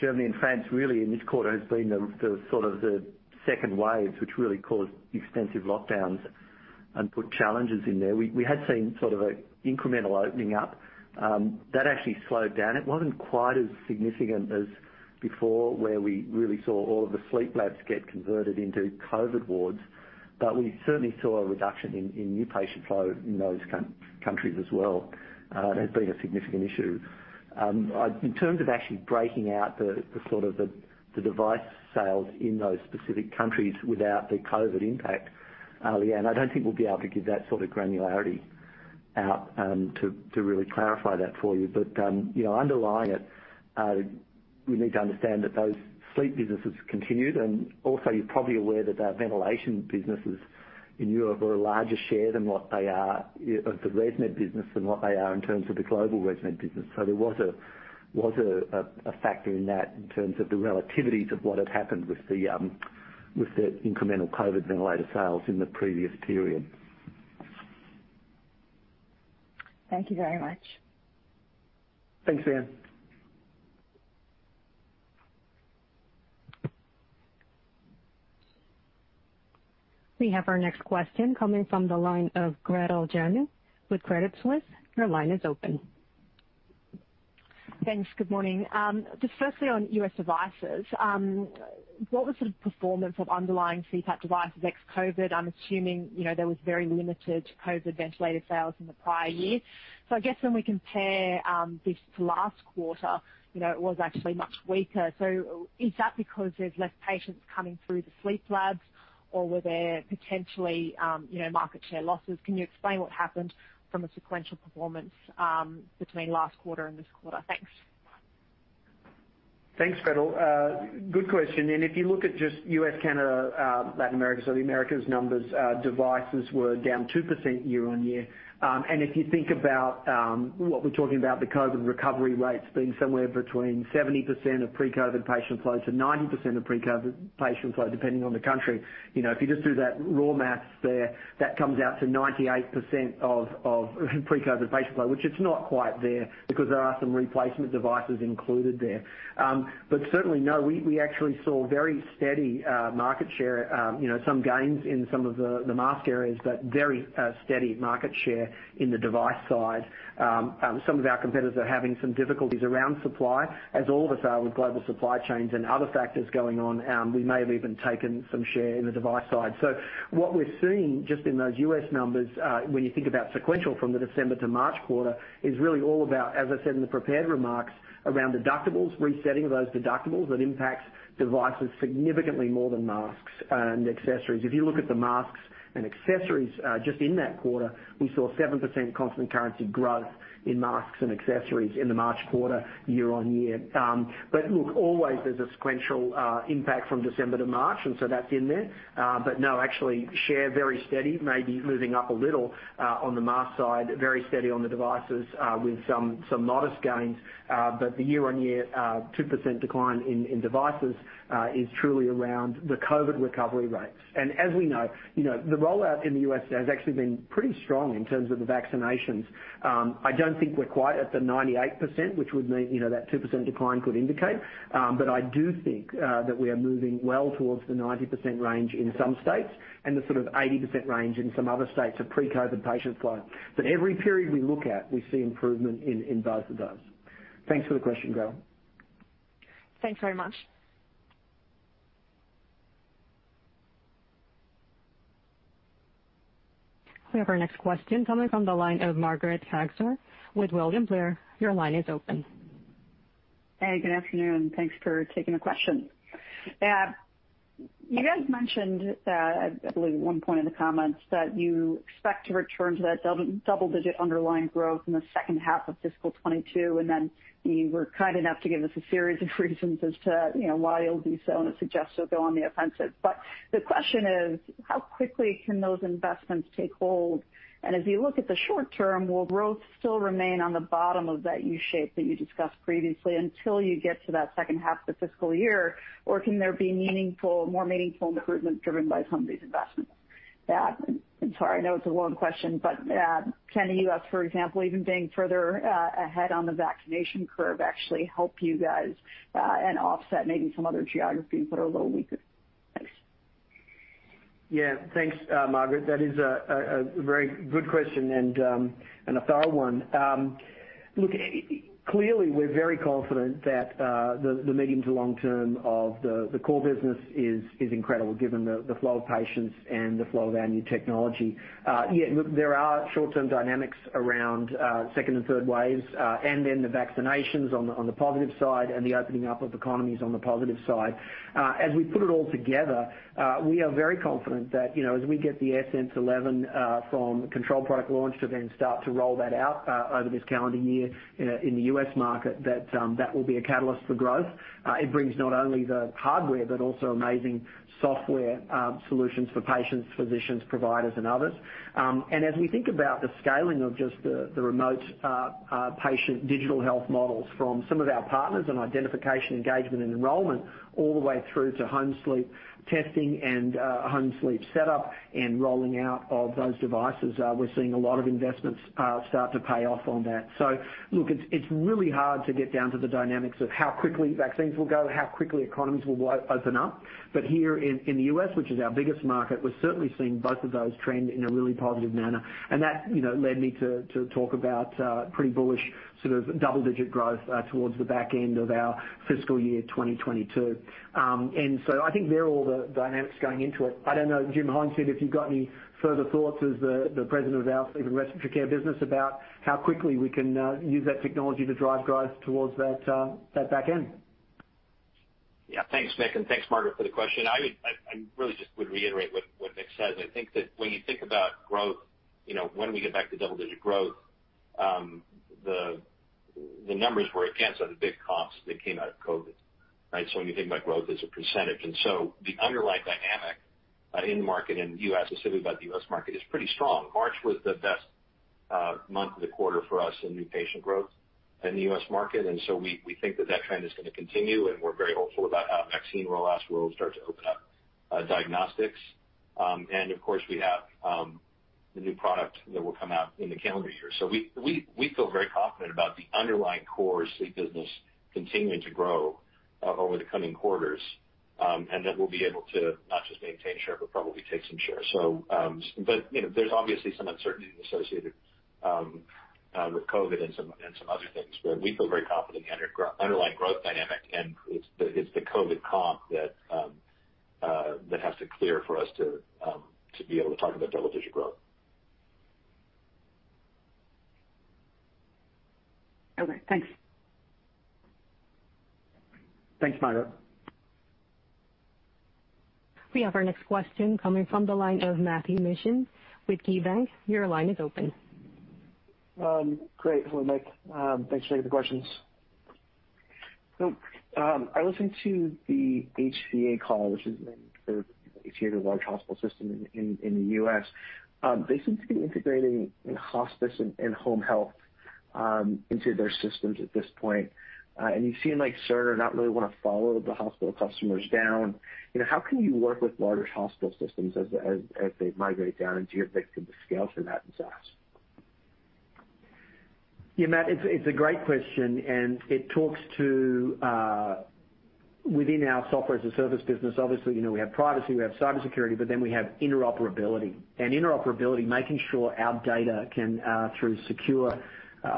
Germany and France, really, in this quarter has been the sort of the second wave, which really caused extensive lockdowns and put challenges in there. We had seen sort of a incremental opening up. That actually slowed down. It wasn't quite as significant as before, where we really saw all of the sleep labs get converted into COVID wards. We certainly saw a reduction in new patient flow in those countries as well. That has been a significant issue. In terms of actually breaking out the sort of the device sales in those specific countries without the COVID impact, Lyanne, I don't think we'll be able to give that sort of granularity out to really clarify that for you. Underlying it, we need to understand that those sleep businesses continued, and also you're probably aware that our ventilation businesses in Europe were a larger share of the ResMed business than what they are in terms of the global ResMed business. There was a factor in that in terms of the relativities of what had happened with the incremental COVID ventilator sales in the previous period. Thank you very much. Thanks, Lyanne. We have our next question coming from the line of Gretel Janu with Credit Suisse. Your line is open. Thanks. Good morning. Just firstly, on U.S. devices, what was the performance of underlying CPAP devices ex-COVID-19? I'm assuming there was very limited COVID-19 ventilator sales in the prior year. I guess when we compare this to last quarter, it was actually much weaker. Is that because there's less patients coming through the sleep labs, or were there potentially market share losses? Can you explain what happened from a sequential performance between last quarter and this quarter? Thanks. Thanks, Gretel. Good question. If you look at just U.S., Canada, Latin America, South America's numbers, devices were down 2% year-on-year. If you think about what we're talking about, the COVID recovery rates being somewhere between 70% of pre-COVID patient flow to 90% of pre-COVID patient flow, depending on the country. If you just do that raw math there, that comes out to 98% of pre-COVID patient flow, which it's not quite there because there are some replacement devices included there. Certainly no, we actually saw very steady market share. Some gains in some of the mask areas, but very steady market share in the device side. Some of our competitors are having some difficulties around supply, as all of us are with global supply chains and other factors going on. We may have even taken some share in the device side. What we're seeing just in those U.S. numbers, when you think about sequential from the December to March quarter, is really all about, as I said in the prepared remarks, around deductibles, resetting of those deductibles. That impacts devices significantly more than masks and accessories. If you look at the masks and accessories just in that quarter, we saw 7% constant currency growth in masks and accessories in the March quarter year-on-year. Look, always there's a sequential impact from December to March, and so that's in there. No, actually share very steady, maybe moving up a little on the mask side. Very steady on the devices with some modest gains. The year-on-year 2% decline in devices is truly around the COVID recovery rates. As we know, the rollout in the U.S. has actually been pretty strong in terms of the vaccinations. I don't think we're quite at the 98%, which would mean that 2% decline could indicate. I do think that we are moving well towards the 90% range in some states and the sort of 80% range in some other states of pre-COVID patient flow. Every period we look at, we see improvement in both of those. Thanks for the question, Gretel. Thanks very much. We have our next question coming from the line of Margaret Kaczor with William Blair. Your line is open. Hey, good afternoon. Thanks for taking the question. You guys mentioned, I believe at one point in the comments, that you expect to return to that double-digit underlying growth in the second half of FY 2022. You were kind enough to give us a series of reasons as to why you'll do so and it suggests you'll go on the offensive. The question is, how quickly can those investments take hold? As you look at the short-term, will growth still remain on the bottom of that U-shape that you discussed previously until you get to that second half of the fiscal year, or can there be more meaningful improvement driven by some of these investments? I'm sorry. I know it's a long question, can the U.S., for example, even being further ahead on the vaccination curve, actually help you guys, and offset maybe some other geographies that are a little weaker? Thanks. Thanks, Margaret. That is a very good question and a thorough one. Clearly, we're very confident that the medium to long-term of the core business is incredible given the flow of patients and the flow of our new technology. There are short-term dynamics around second and third waves, and then the vaccinations on the positive side, and the opening up of economies on the positive side. As we put it all together, we are very confident that, as we get the AirSense 11 from controlled product launch to then start to roll that out over this calendar year in the U.S. market, that will be a catalyst for growth. It brings not only the hardware but also amazing software solutions for patients, physicians, providers, and others. As we think about the scaling of just the remote patient digital health models from some of our partners in identification, engagement, and enrollment, all the way through to home sleep testing and home sleep setup and rolling out of those devices, we're seeing a lot of investments start to pay off on that. Look, it's really hard to get down to the dynamics of how quickly vaccines will go, how quickly economies will open up. Here in the U.S., which is our biggest market, we're certainly seeing both of those trend in a really positive manner. That led me to talk about pretty bullish sort of double-digit growth towards the back end of our fiscal year 2022. I think they're all the dynamics going into it. I don't know, Jim Hollingshead, if you've got any further thoughts as the President of our Sleep and Respiratory Care business about how quickly we can use that technology to drive growth towards that back end. Thanks, Mick, and thanks, Margaret, for the question. I really just would reiterate what Mick said. I think that when you think about growth, when we get back to double-digit growth, the numbers were against the big comps that came out of COVID-19, right? When you think about growth as a percentage. The underlying dynamic in the market, in the U.S. specifically, but the U.S. market is pretty strong. March was the best month of the quarter for us in new patient growth in the U.S. market, we think that trend is going to continue, and we're very hopeful about how vaccine rollouts will start to open up diagnostics. Of course, we have the new product that will come out in the calendar year. We feel very confident about the underlying core sleep business continuing to grow over the coming quarters, and that we'll be able to not just maintain share, but probably take some share. There's obviously some uncertainty associated with COVID and some other things. We feel very confident in the underlying growth dynamic, and it's the COVID comp that has to clear for us to be able to talk about double-digit growth. Okay, thanks. Thanks, Margaret. We have our next question coming from the line of Matthew Mishan with KeyBanc. Your line is open. Great. Hello, Mick. Thanks for taking the questions. I listened to the HCA call, which is a large hospital system in the U.S. They seem to be integrating hospice and home health into their systems at this point. You seem like Cerner not really want to follow the hospital customers down. How can you work with larger hospital systems as they migrate down? Do you think you could scale through that in SaaS? Yeah, Matt, it's a great question, and it talks to within our Software-as-a-Service business, obviously, we have privacy, we have cybersecurity, but then we have interoperability. Interoperability, making sure our data can, through secure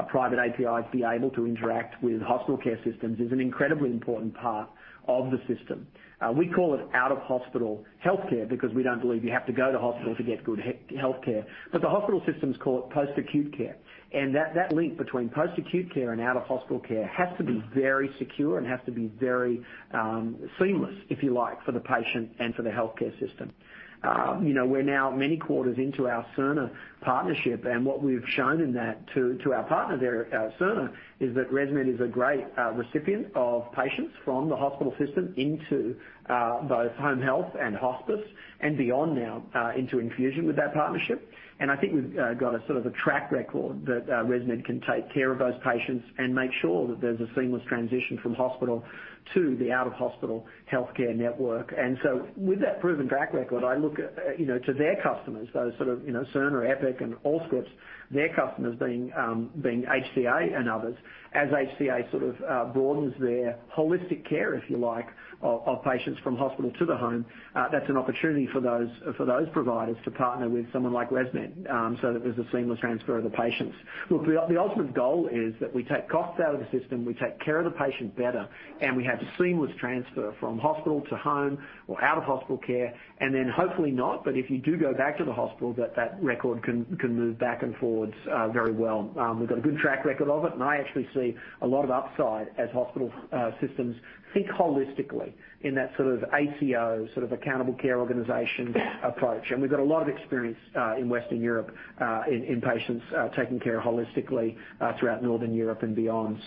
private APIs, be able to interact with hospital care systems is an incredibly important part of the system. We call it out-of-hospital healthcare because we don't believe you have to go to hospital to get good healthcare. The hospital systems call it post-acute care. That link between post-acute care and out-of-hospital care has to be very secure and has to be very seamless, if you like, for the patient and for the healthcare system. We're now many quarters into our Cerner partnership, and what we've shown in that to our partner there, Cerner, is that ResMed is a great recipient of patients from the hospital system into both home health and hospice and beyond now into infusion with that partnership. I think we've got a sort of a track record that ResMed can take care of those patients and make sure that there's a seamless transition from hospital to the out-of-hospital healthcare network. With that proven track record, I look to their customers, those sort of Cerner, Epic, and Allscripts, their customers being HCA and others. As HCA sort of broadens their holistic care, if you like, of patients from hospital to the home, that's an opportunity for those providers to partner with someone like ResMed, so that there's a seamless transfer of the patients. Look, the ultimate goal is that we take costs out of the system, we take care of the patient better, and we have seamless transfer from hospital to home or out-of-hospital care. Hopefully not, but if you do go back to the hospital, that record can move back and forwards very well. We've got a good track record of it, and I actually see a lot of upside as hospital systems think holistically in that sort of ACO, sort of accountable care organization approach. We've got a lot of experience in Western Europe in patients taking care holistically throughout Northern Europe and beyond.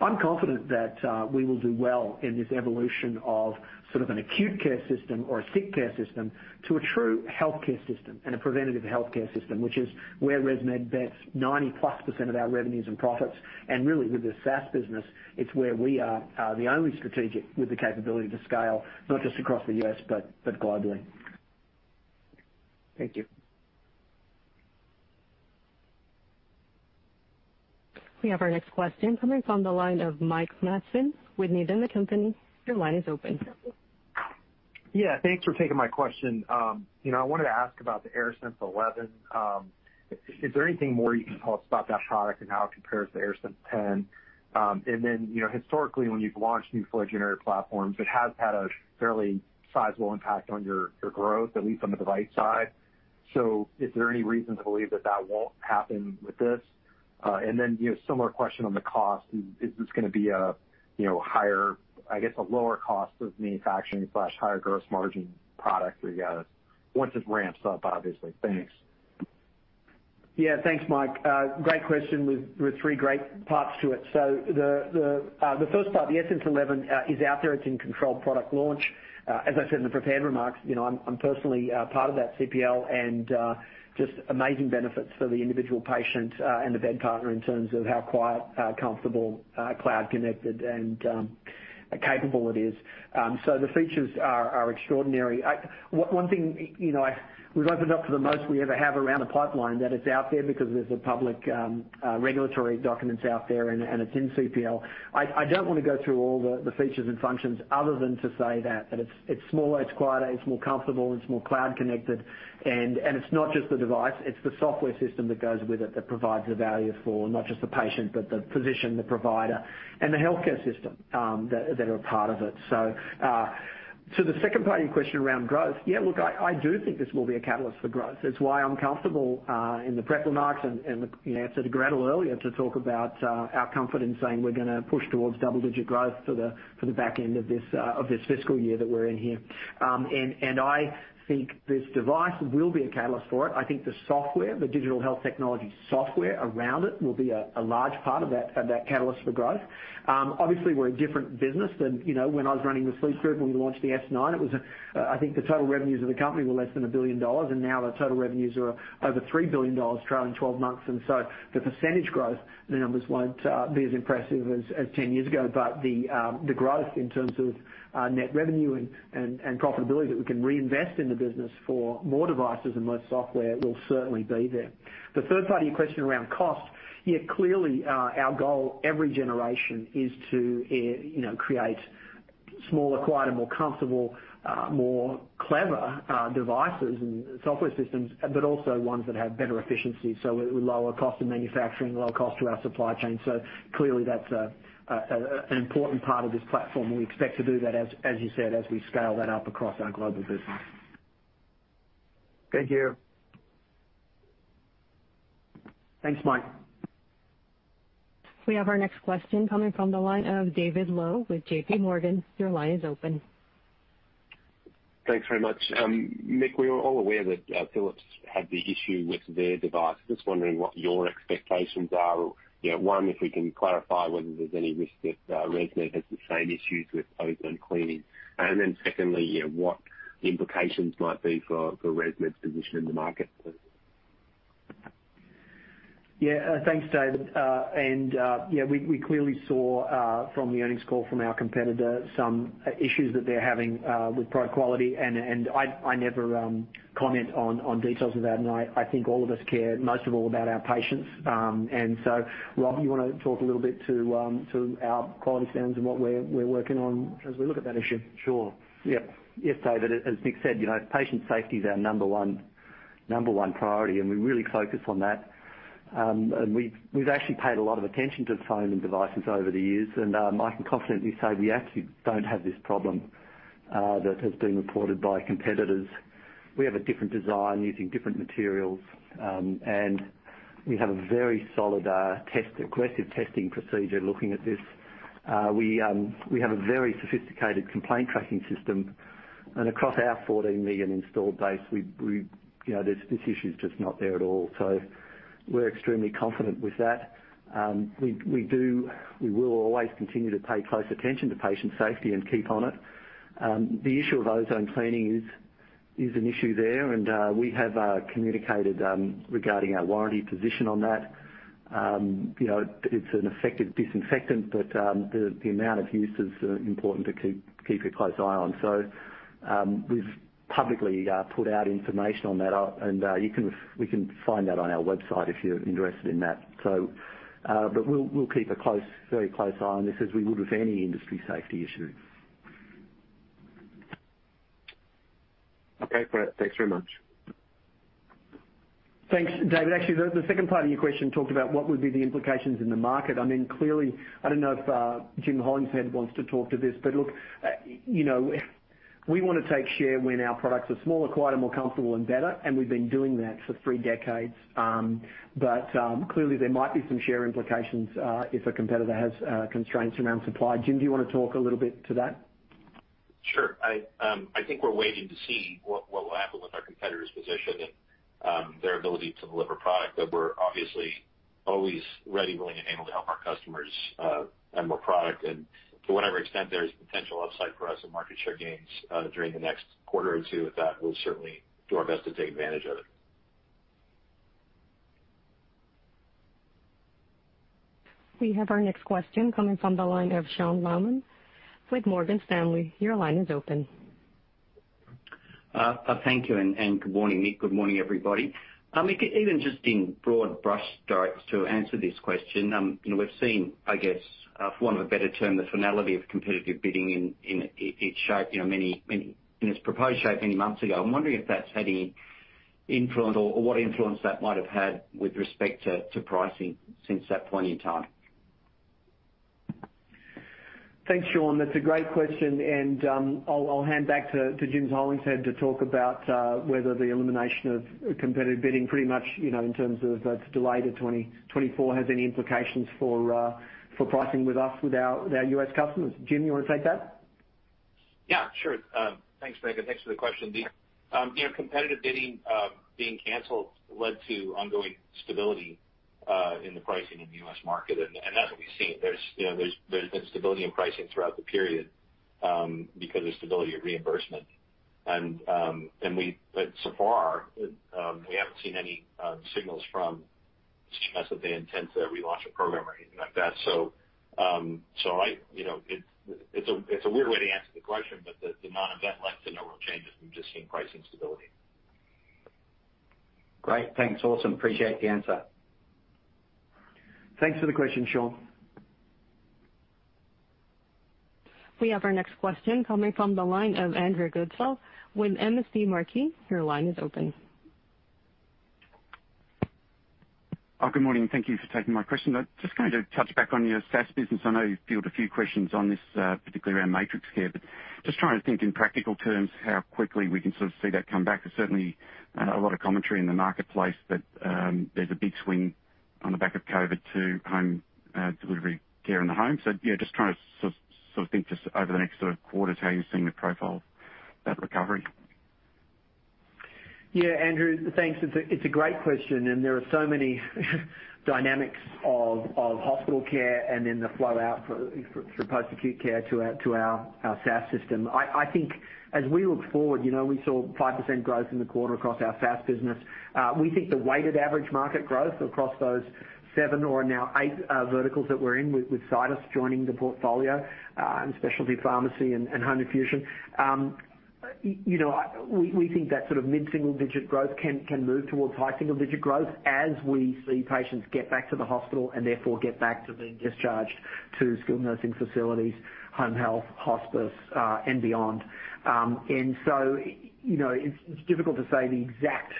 I'm confident that we will do well in this evolution of sort of an acute care system or a sick care system to a true healthcare system and a preventative healthcare system, which is where ResMed bets 90%+ of our revenues and profits. Really, with the SaaS business, it's where we are the only strategic with the capability to scale, not just across the U.S., but globally. Thank you. We have our next question coming from the line of Mike Matson with Needham & Company. Your line is open. Yeah, thanks for taking my question. I wanted to ask about the AirSense 11. Is there anything more you can tell us about that product and how it compares to AirSense 10? Historically, when you've launched new flow generator platforms, it has had a fairly sizable impact on your growth, at least on the device side. Is there any reason to believe that that won't happen with this? Similar question on the cost. Is this going to be, I guess, a lower cost of manufacturing/higher gross margin product that you've got once this ramps up, obviously? Thanks. Yeah. Thanks, Mike. Great question with three great parts to it. The first part, the AirSense 11 is out there, it's in controlled product launch. As I said in the prepared remarks, I'm personally part of that CPL, and just amazing benefits for the individual patient, and the bed partner in terms of how quiet, comfortable, cloud connected, and capable it is. The features are extraordinary. One thing, we've opened up to the most we ever have around a pipeline that is out there because there's public regulatory documents out there, and it's in CPL. I don't want to go through all the features and functions other than to say that it's smaller, it's quieter, it's more comfortable, it's more cloud connected, and it's not just the device, it's the software system that goes with it that provides the value for not just the patient, but the physician, the provider, and the healthcare system that are part of it. To the second part of your question around growth, yeah, look, I do think this will be a catalyst for growth. It's why I'm comfortable, in the prepared remarks and I answered Gretel earlier, to talk about our comfort in saying we're going to push towards double-digit growth for the back end of this fiscal year that we're in here. I think this device will be a catalyst for it. I think the software, the digital health technology software around it will be a large part of that catalyst for growth. Obviously, we're a different business than when I was running the Sleep Group, when we launched the S9, I think the total revenues of the company were less than $1 billion, and now the total revenues are over $3 billion trailing 12 months. The percentage growth, the numbers won't be as impressive as 10 years ago. The growth in terms of net revenue and profitability that we can reinvest in the business for more devices and more software will certainly be there. The third part of your question around cost. Yeah, clearly, our goal every generation is to create smaller, quieter, more comfortable, more clever devices and software systems, but also ones that have better efficiency, so with lower cost of manufacturing, lower cost to our supply chain. Clearly that's an important part of this platform, and we expect to do that, as you said, as we scale that up across our global business. Thank you. Thanks, Mike. We have our next question coming from the line of David Low with JPMorgan. Your line is open. Thanks very much. Mick, we are all aware that Philips had the issue with their device. Just wondering what your expectations are. One, if we can clarify whether there's any risk that ResMed has the same issues with ozone cleaning. Secondly, what the implications might be for ResMed's position in the market? Yeah. Thanks, David. Yeah, we clearly saw from the earnings call from our competitor some issues that they're having with product quality, and I never comment on details of that. I think all of us care most of all about our patients. So, Rob, you want to talk a little bit to our quality standards and what we're working on as we look at that issue? Sure. Yes, David. As Mick said, patient safety is our number one priority, and we really focus on that. We've actually paid a lot of attention to the ozone devices over the years, and I can confidently say we actually don't have this problem that has been reported by competitors. We have a different design using different materials, and we have a very solid, aggressive testing procedure looking at this. We have a very sophisticated complaint tracking system. Across our 14 million installed base, this issue is just not there at all. We're extremely confident with that. We will always continue to pay close attention to patient safety and keep on it. The issue of ozone cleaning is an issue there, and we have communicated regarding our warranty position on that. The amount of use is important to keep a close eye on. We've publicly put out information on that, and we can find that on our website if you're interested in that. We'll keep a very close eye on this, as we would with any industry safety issue. Okay, great. Thanks very much. Thanks, David. Actually, the second part of your question talked about what would be the implications in the market. I mean, clearly, I don't know if Jim Hollingshead wants to talk to this, look, we want to take share when our products are smaller, quieter, more comfortable, and better, and we've been doing that for three decades. Clearly, there might be some share implications, if a competitor has constraints around supply. Jim, do you want to talk a little bit to that? Sure. I think we're waiting to see what will happen with our competitor's position and their ability to deliver product. We're obviously always ready, willing, and able to help our customers get more product. To whatever extent there is potential upside for us in market share gains during the next quarter or two with that, we'll certainly do our best to take advantage of it. We have our next question coming from the line of Sean Laaman with Morgan Stanley. Your line is open. Thank you, and good morning, Mick. Good morning, everybody. Mick, even just in broad brushstrokes to answer this question. We've seen, I guess, for want of a better term, the finality of competitive bidding in its proposed shape many months ago. I'm wondering if that's had any influence or what influence that might have had with respect to pricing since that point in time. Thanks, Sean. That's a great question. I'll hand back to Jim Hollingshead to talk about whether the elimination of competitive bidding pretty much, in terms of that's delayed to 2024, has any implications for pricing with our U.S. customers. Jim, you want to take that? Yeah, sure. Thanks, Mick, thanks for the question. Competitive bidding being canceled led to ongoing stability in the pricing in the U.S. market. That's what we've seen. There's been stability in pricing throughout the period because of stability of reimbursement. So far, we haven't seen any signals from CMS that they intend to relaunch a program or anything like that. It's a weird way to answer the question. The non-event led to no real changes. We've just seen pricing stability. Great. Thanks. Awesome. Appreciate the answer. Thanks for the question, Sean. We have our next question coming from the line of Andrew Goodsall with MST Marquee. Your line is open. Good morning. Thank you for taking my question. I'm just going to touch back on your SaaS business. I know you've fielded a few questions on this, particularly around MatrixCare, but just trying to think in practical terms, how quickly we can sort of see that come back. There's certainly a lot of commentary in the marketplace that there's a big swing on the back of COVID to home delivery care in the home. Yeah, just trying to sort of think just over the next sort of quarters, how you're seeing the profile of that recovery. Yeah, Andrew, thanks. It's a great question. There are so many dynamics of hospital care and then the flow out for post-acute care to our SaaS system. I think as we look forward, we saw 5% growth in the quarter across our SaaS business. We think the weighted average market growth across those seven or now eight verticals that we're in, with Citus joining the portfolio and specialty pharmacy and home infusion. We think that sort of mid-single digit growth can move towards high single digit growth as we see patients get back to the hospital and therefore get back to being discharged to skilled nursing facilities, home health, hospice, and beyond. It's difficult to say the exact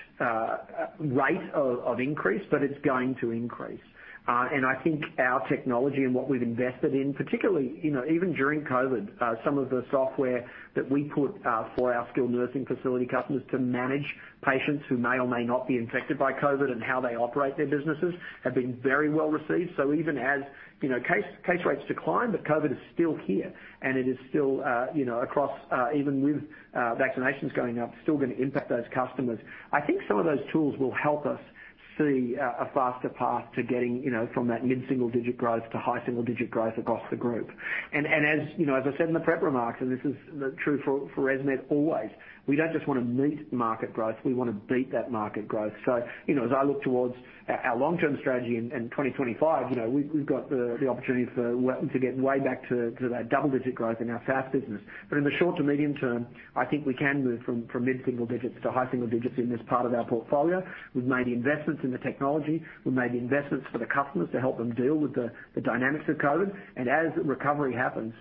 rate of increase, but it's going to increase. I think our technology and what we've invested in, particularly, even during COVID, some of the software that we put for our skilled nursing facility customers to manage patients who may or may not be infected by COVID and how they operate their businesses, have been very well received. Even as case rates decline, but COVID is still here, and it is still across, even with vaccinations going up, still going to impact those customers. I think some of those tools will help us see a faster path to getting from that mid-single-digit growth to high single digit growth across the group. As I said in the prep remarks, and this is true for ResMed always, we don't just want to meet market growth, we want to beat that market growth. As I look towards our long-term strategy in 2025, we've got the opportunity to get way back to that double-digit growth in our SaaS business. In the short to medium-term, I think we can move from mid-single digits to high single-digits in this part of our portfolio. We've made investments in the technology. We've made investments for the customers to help them deal with the dynamics of COVID. As recovery happens,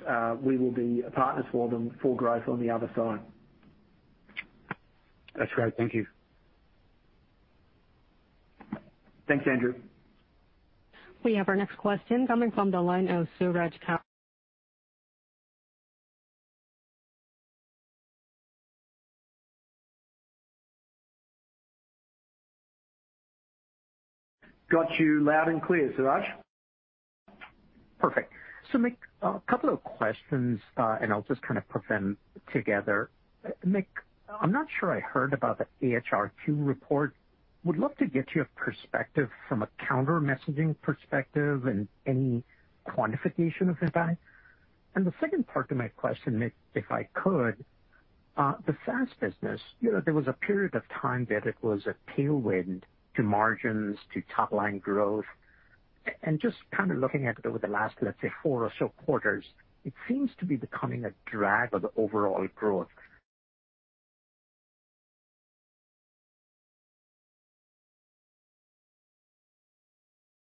we will be partners for them for growth on the other side. That's great. Thank you. Thanks, Andrew. We have our next question coming from the line of Suraj Kalia. Got you loud and clear, Suraj. Perfect. Mick, a couple of questions, and I'll just kind of put them together. Mick, I'm not sure I heard about the AHRQ report. Would love to get your perspective from a counter-messaging perspective and any quantification of impact. The second part to my question, Mick, if I could, the SaaS business. There was a period of time that it was a tailwind to margins, to top-line growth. Just kind of looking at it over the last, let's say, four or so quarters, it seems to be becoming a drag on overall growth.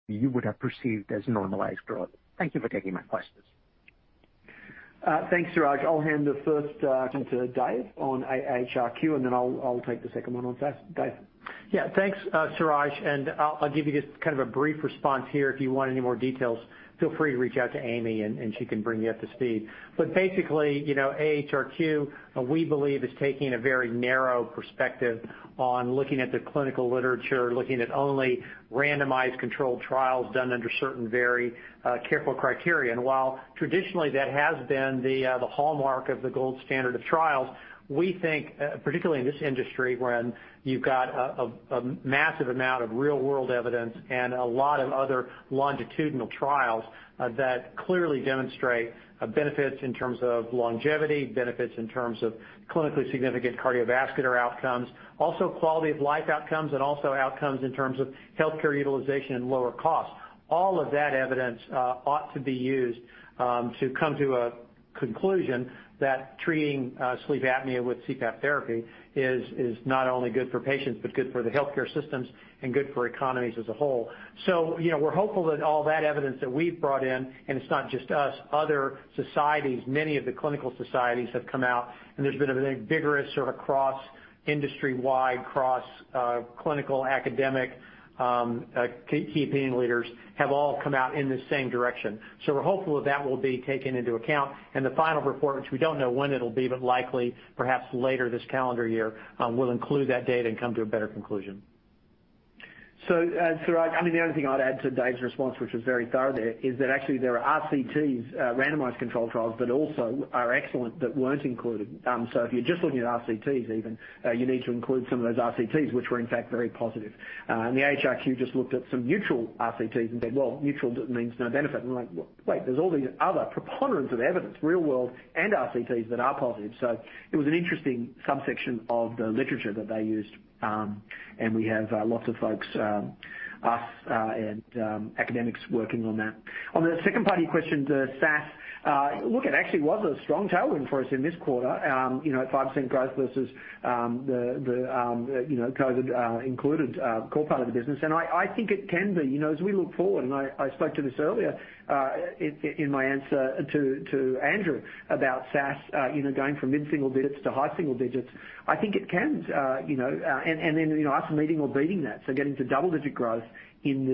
You would have perceived as normalized growth. Thank you for taking my questions. Thanks, Suraj. I'll hand the first one to Dave on AHRQ, and then I'll take the second one on SaaS. Dave? Yeah. Thanks, Suraj Kalia, and I'll give you just kind of a brief response here. If you want any more details, feel free to reach out to Amy, and she can bring you up to speed. Basically, AHRQ, we believe, is taking a very narrow perspective on looking at the clinical literature, looking at only randomized controlled trials done under certain very careful criteria. While traditionally that has been the hallmark of the gold standard of trials, we think, particularly in this industry, when you've got a massive amount of real-world evidence and a lot of other longitudinal trials that clearly demonstrate benefits in terms of longevity, benefits in terms of clinically significant cardiovascular outcomes, also quality of life outcomes, and also outcomes in terms of healthcare utilization and lower cost. All of that evidence ought to be used to come to a conclusion that treating sleep apnea with CPAP therapy is not only good for patients, but good for the healthcare systems and good for economies as a whole. We're hopeful that all that evidence that we've brought in, and it's not just us, other societies, many of the clinical societies have come out, and there's been a vigorous sort of cross-industry-wide, cross-clinical, academic, key opinion leaders have all come out in the same direction. We're hopeful that will be taken into account in the final report, which we don't know when it'll be, but likely perhaps later this calendar year, will include that data and come to a better conclusion. Suraj, the only thing I'd add to David's response, which was very thorough there, is that actually there are RCTs, randomized controlled trials, that also are excellent that weren't included. If you're just looking at RCTs even, you need to include some of those RCTs, which were in fact very positive. The AHRQ just looked at some neutral RCTs and said, Well, neutral means no benefit. We're like, Wait, there's all these other preponderance of evidence, real world, and RCTs that are positive. It was an interesting subsection of the literature that they used. We have lots of folks, us, and academics working on that. On the second part of your question, the SaaS, look, it actually was a strong tailwind for us in this quarter. 5% growth versus the COVID included core part of the business. I think it can be. As we look forward, I spoke to this earlier in my answer to Andrew about SaaS going from mid-single digits to high single-digits. I think it can, us meeting or beating that. Getting to double-digit growth in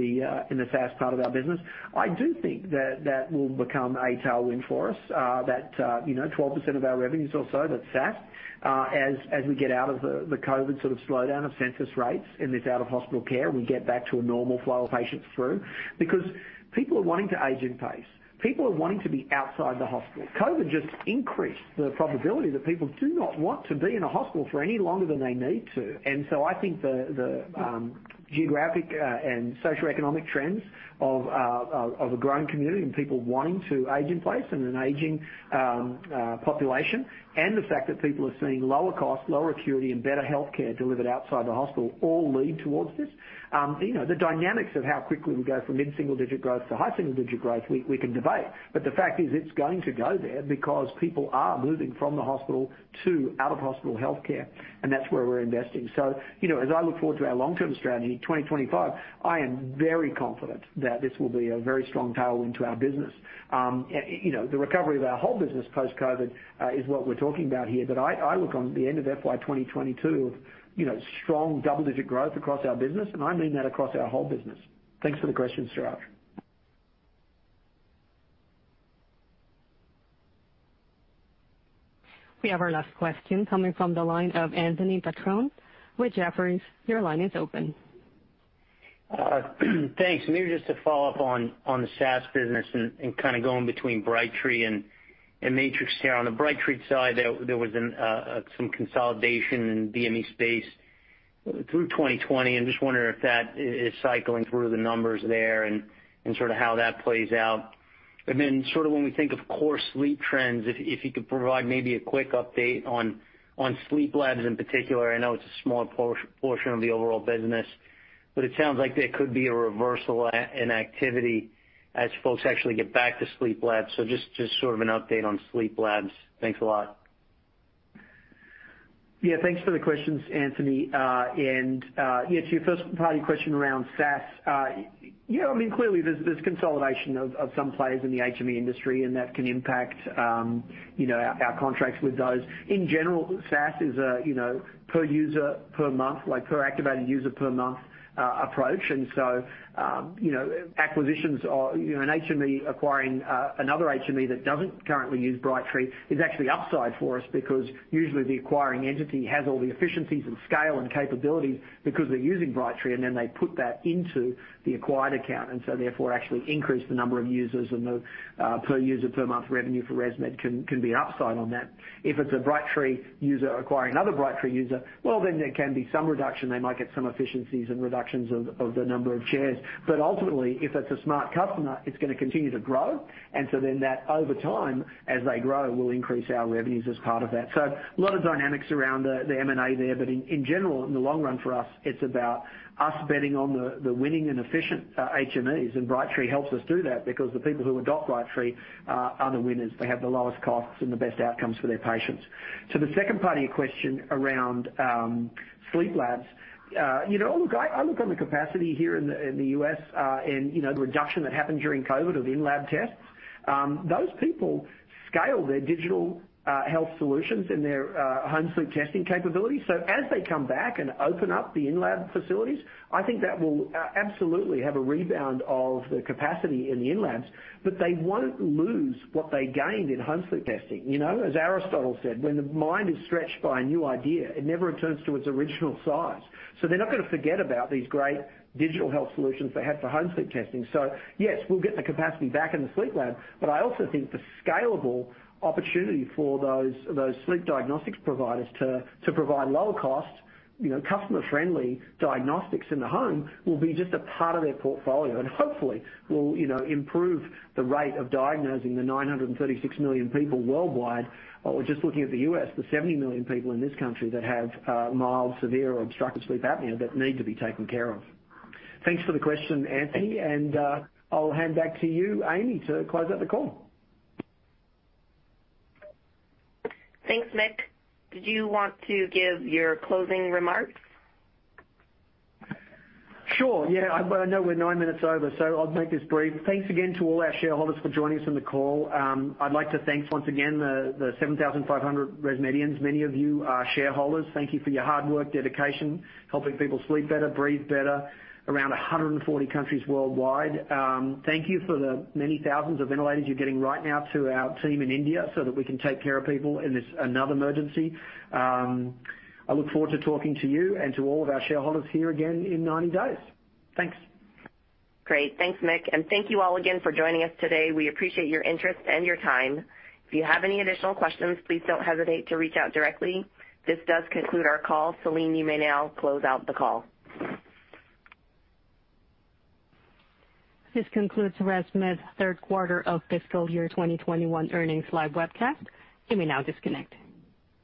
the SaaS part of our business. I do think that that will become a tailwind for us, that 12% of our revenues or so that's SaaS. As we get out of the COVID sort of slowdown of census rates in this out-of-hospital care, and we get back to a normal flow of patients through. People are wanting to age in place. People are wanting to be outside the hospital. COVID just increased the probability that people do not want to be in a hospital for any longer than they need to. I think the geographic and socioeconomic trends of a growing community and people wanting to age in place and an aging population, and the fact that people are seeing lower cost, lower acuity, and better healthcare delivered outside the hospital all lead towards this. The dynamics of how quickly we go from mid-single-digit growth to high single-digit growth, we can debate. The fact is, it's going to go there because people are moving from the hospital to out-of-hospital healthcare, and that's where we're investing. As I look forward to our long-term strategy, 2025, I am very confident that this will be a very strong tailwind to our business. The recovery of our whole business post-COVID is what we're talking about here. I look on the end of FY 2022, strong double-digit growth across our business, and I mean that across our whole business. Thanks for the question, Suraj. We have our last question coming from the line of Anthony Petrone with Jefferies. Your line is open. Thanks. Maybe just to follow up on the SaaS business and kind of going between Brightree and MatrixCare. On the Brightree side, there was some consolidation in the HME space through 2020. I'm just wondering if that is cycling through the numbers there and sort of how that plays out. Then sort of when we think of core sleep trends, if you could provide maybe a quick update on sleep labs in particular. I know it's a small portion of the overall business. It sounds like there could be a reversal in activity as folks actually get back to sleep labs. Just sort of an update on sleep labs. Thanks a lot. Thanks for the questions, Anthony. To your first part of your question around SaaS. Clearly, there's consolidation of some players in the HME industry, and that can impact our contracts with those. In general, SaaS is a per user per month, like per activated user per month approach. Acquisitions or an HME acquiring another HME that doesn't currently use Brightree is actually upside for us because usually the acquiring entity has all the efficiencies and scale and capabilities because they're using Brightree, and then they put that into the acquired account, and so therefore actually increase the number of users and the per user per month revenue for ResMed can be an upside on that. If it's a Brightree user acquiring another Brightree user, well, then there can be some reduction. They might get some efficiencies and reductions of the number of chairs. Ultimately, if it's a smart customer, it's going to continue to grow. That over time, as they grow, will increase our revenues as part of that. A lot of dynamics around the M&A there, but in general, in the long run for us, it's about us betting on the winning and efficient HMEs, and Brightree helps us do that because the people who adopt Brightree are the winners. They have the lowest costs and the best outcomes for their patients. To the second part of your question around sleep labs. I look on the capacity here in the U.S., and the reduction that happened during COVID of in-lab tests, those people scaled their digital health solutions and their home sleep testing capabilities. As they come back and open up the in-lab facilities, I think that will absolutely have a rebound of the capacity in the in-labs, but they won't lose what they gained in home sleep testing. As Aristotle said, When the mind is stretched by a new idea, it never returns to its original size. They're not going to forget about these great digital health solutions they had for home sleep testing. Yes, we'll get the capacity back in the sleep lab, but I also think the scalable opportunity for those sleep diagnostics providers to provide lower cost, customer-friendly diagnostics in the home will be just a part of their portfolio. Hopefully, will improve the rate of diagnosing the 936 million people worldwide. Just looking at the U.S., the 70 million people in this country that have mild, severe, or obstructive sleep apnea that need to be taken care of. Thanks for the question, Anthony, and I'll hand back to you, Amy, to close out the call. Thanks, Mick. Did you want to give your closing remarks? Sure. Yeah. I know we're nine minutes over, so I'll make this brief. Thanks again to all our shareholders for joining us on the call. I'd like to thank, once again, the 7,500 ResMedians. Many of you are shareholders. Thank you for your hard work, dedication, helping people sleep better, breathe better around 140 countries worldwide. Thank you for the many thousands of ventilators you're getting right now to our team in India so that we can take care of people in this, another emergency. I look forward to talking to you and to all of our shareholders here again in 90 days. Thanks. Great. Thanks, Mick. Thank you all again for joining us today. We appreciate your interest and your time. If you have any additional questions, please don't hesitate to reach out directly. This does conclude our call. Celine, you may now close out the call. This concludes ResMed third quarter of fiscal year 2021 earnings live webcast. You may now disconnect.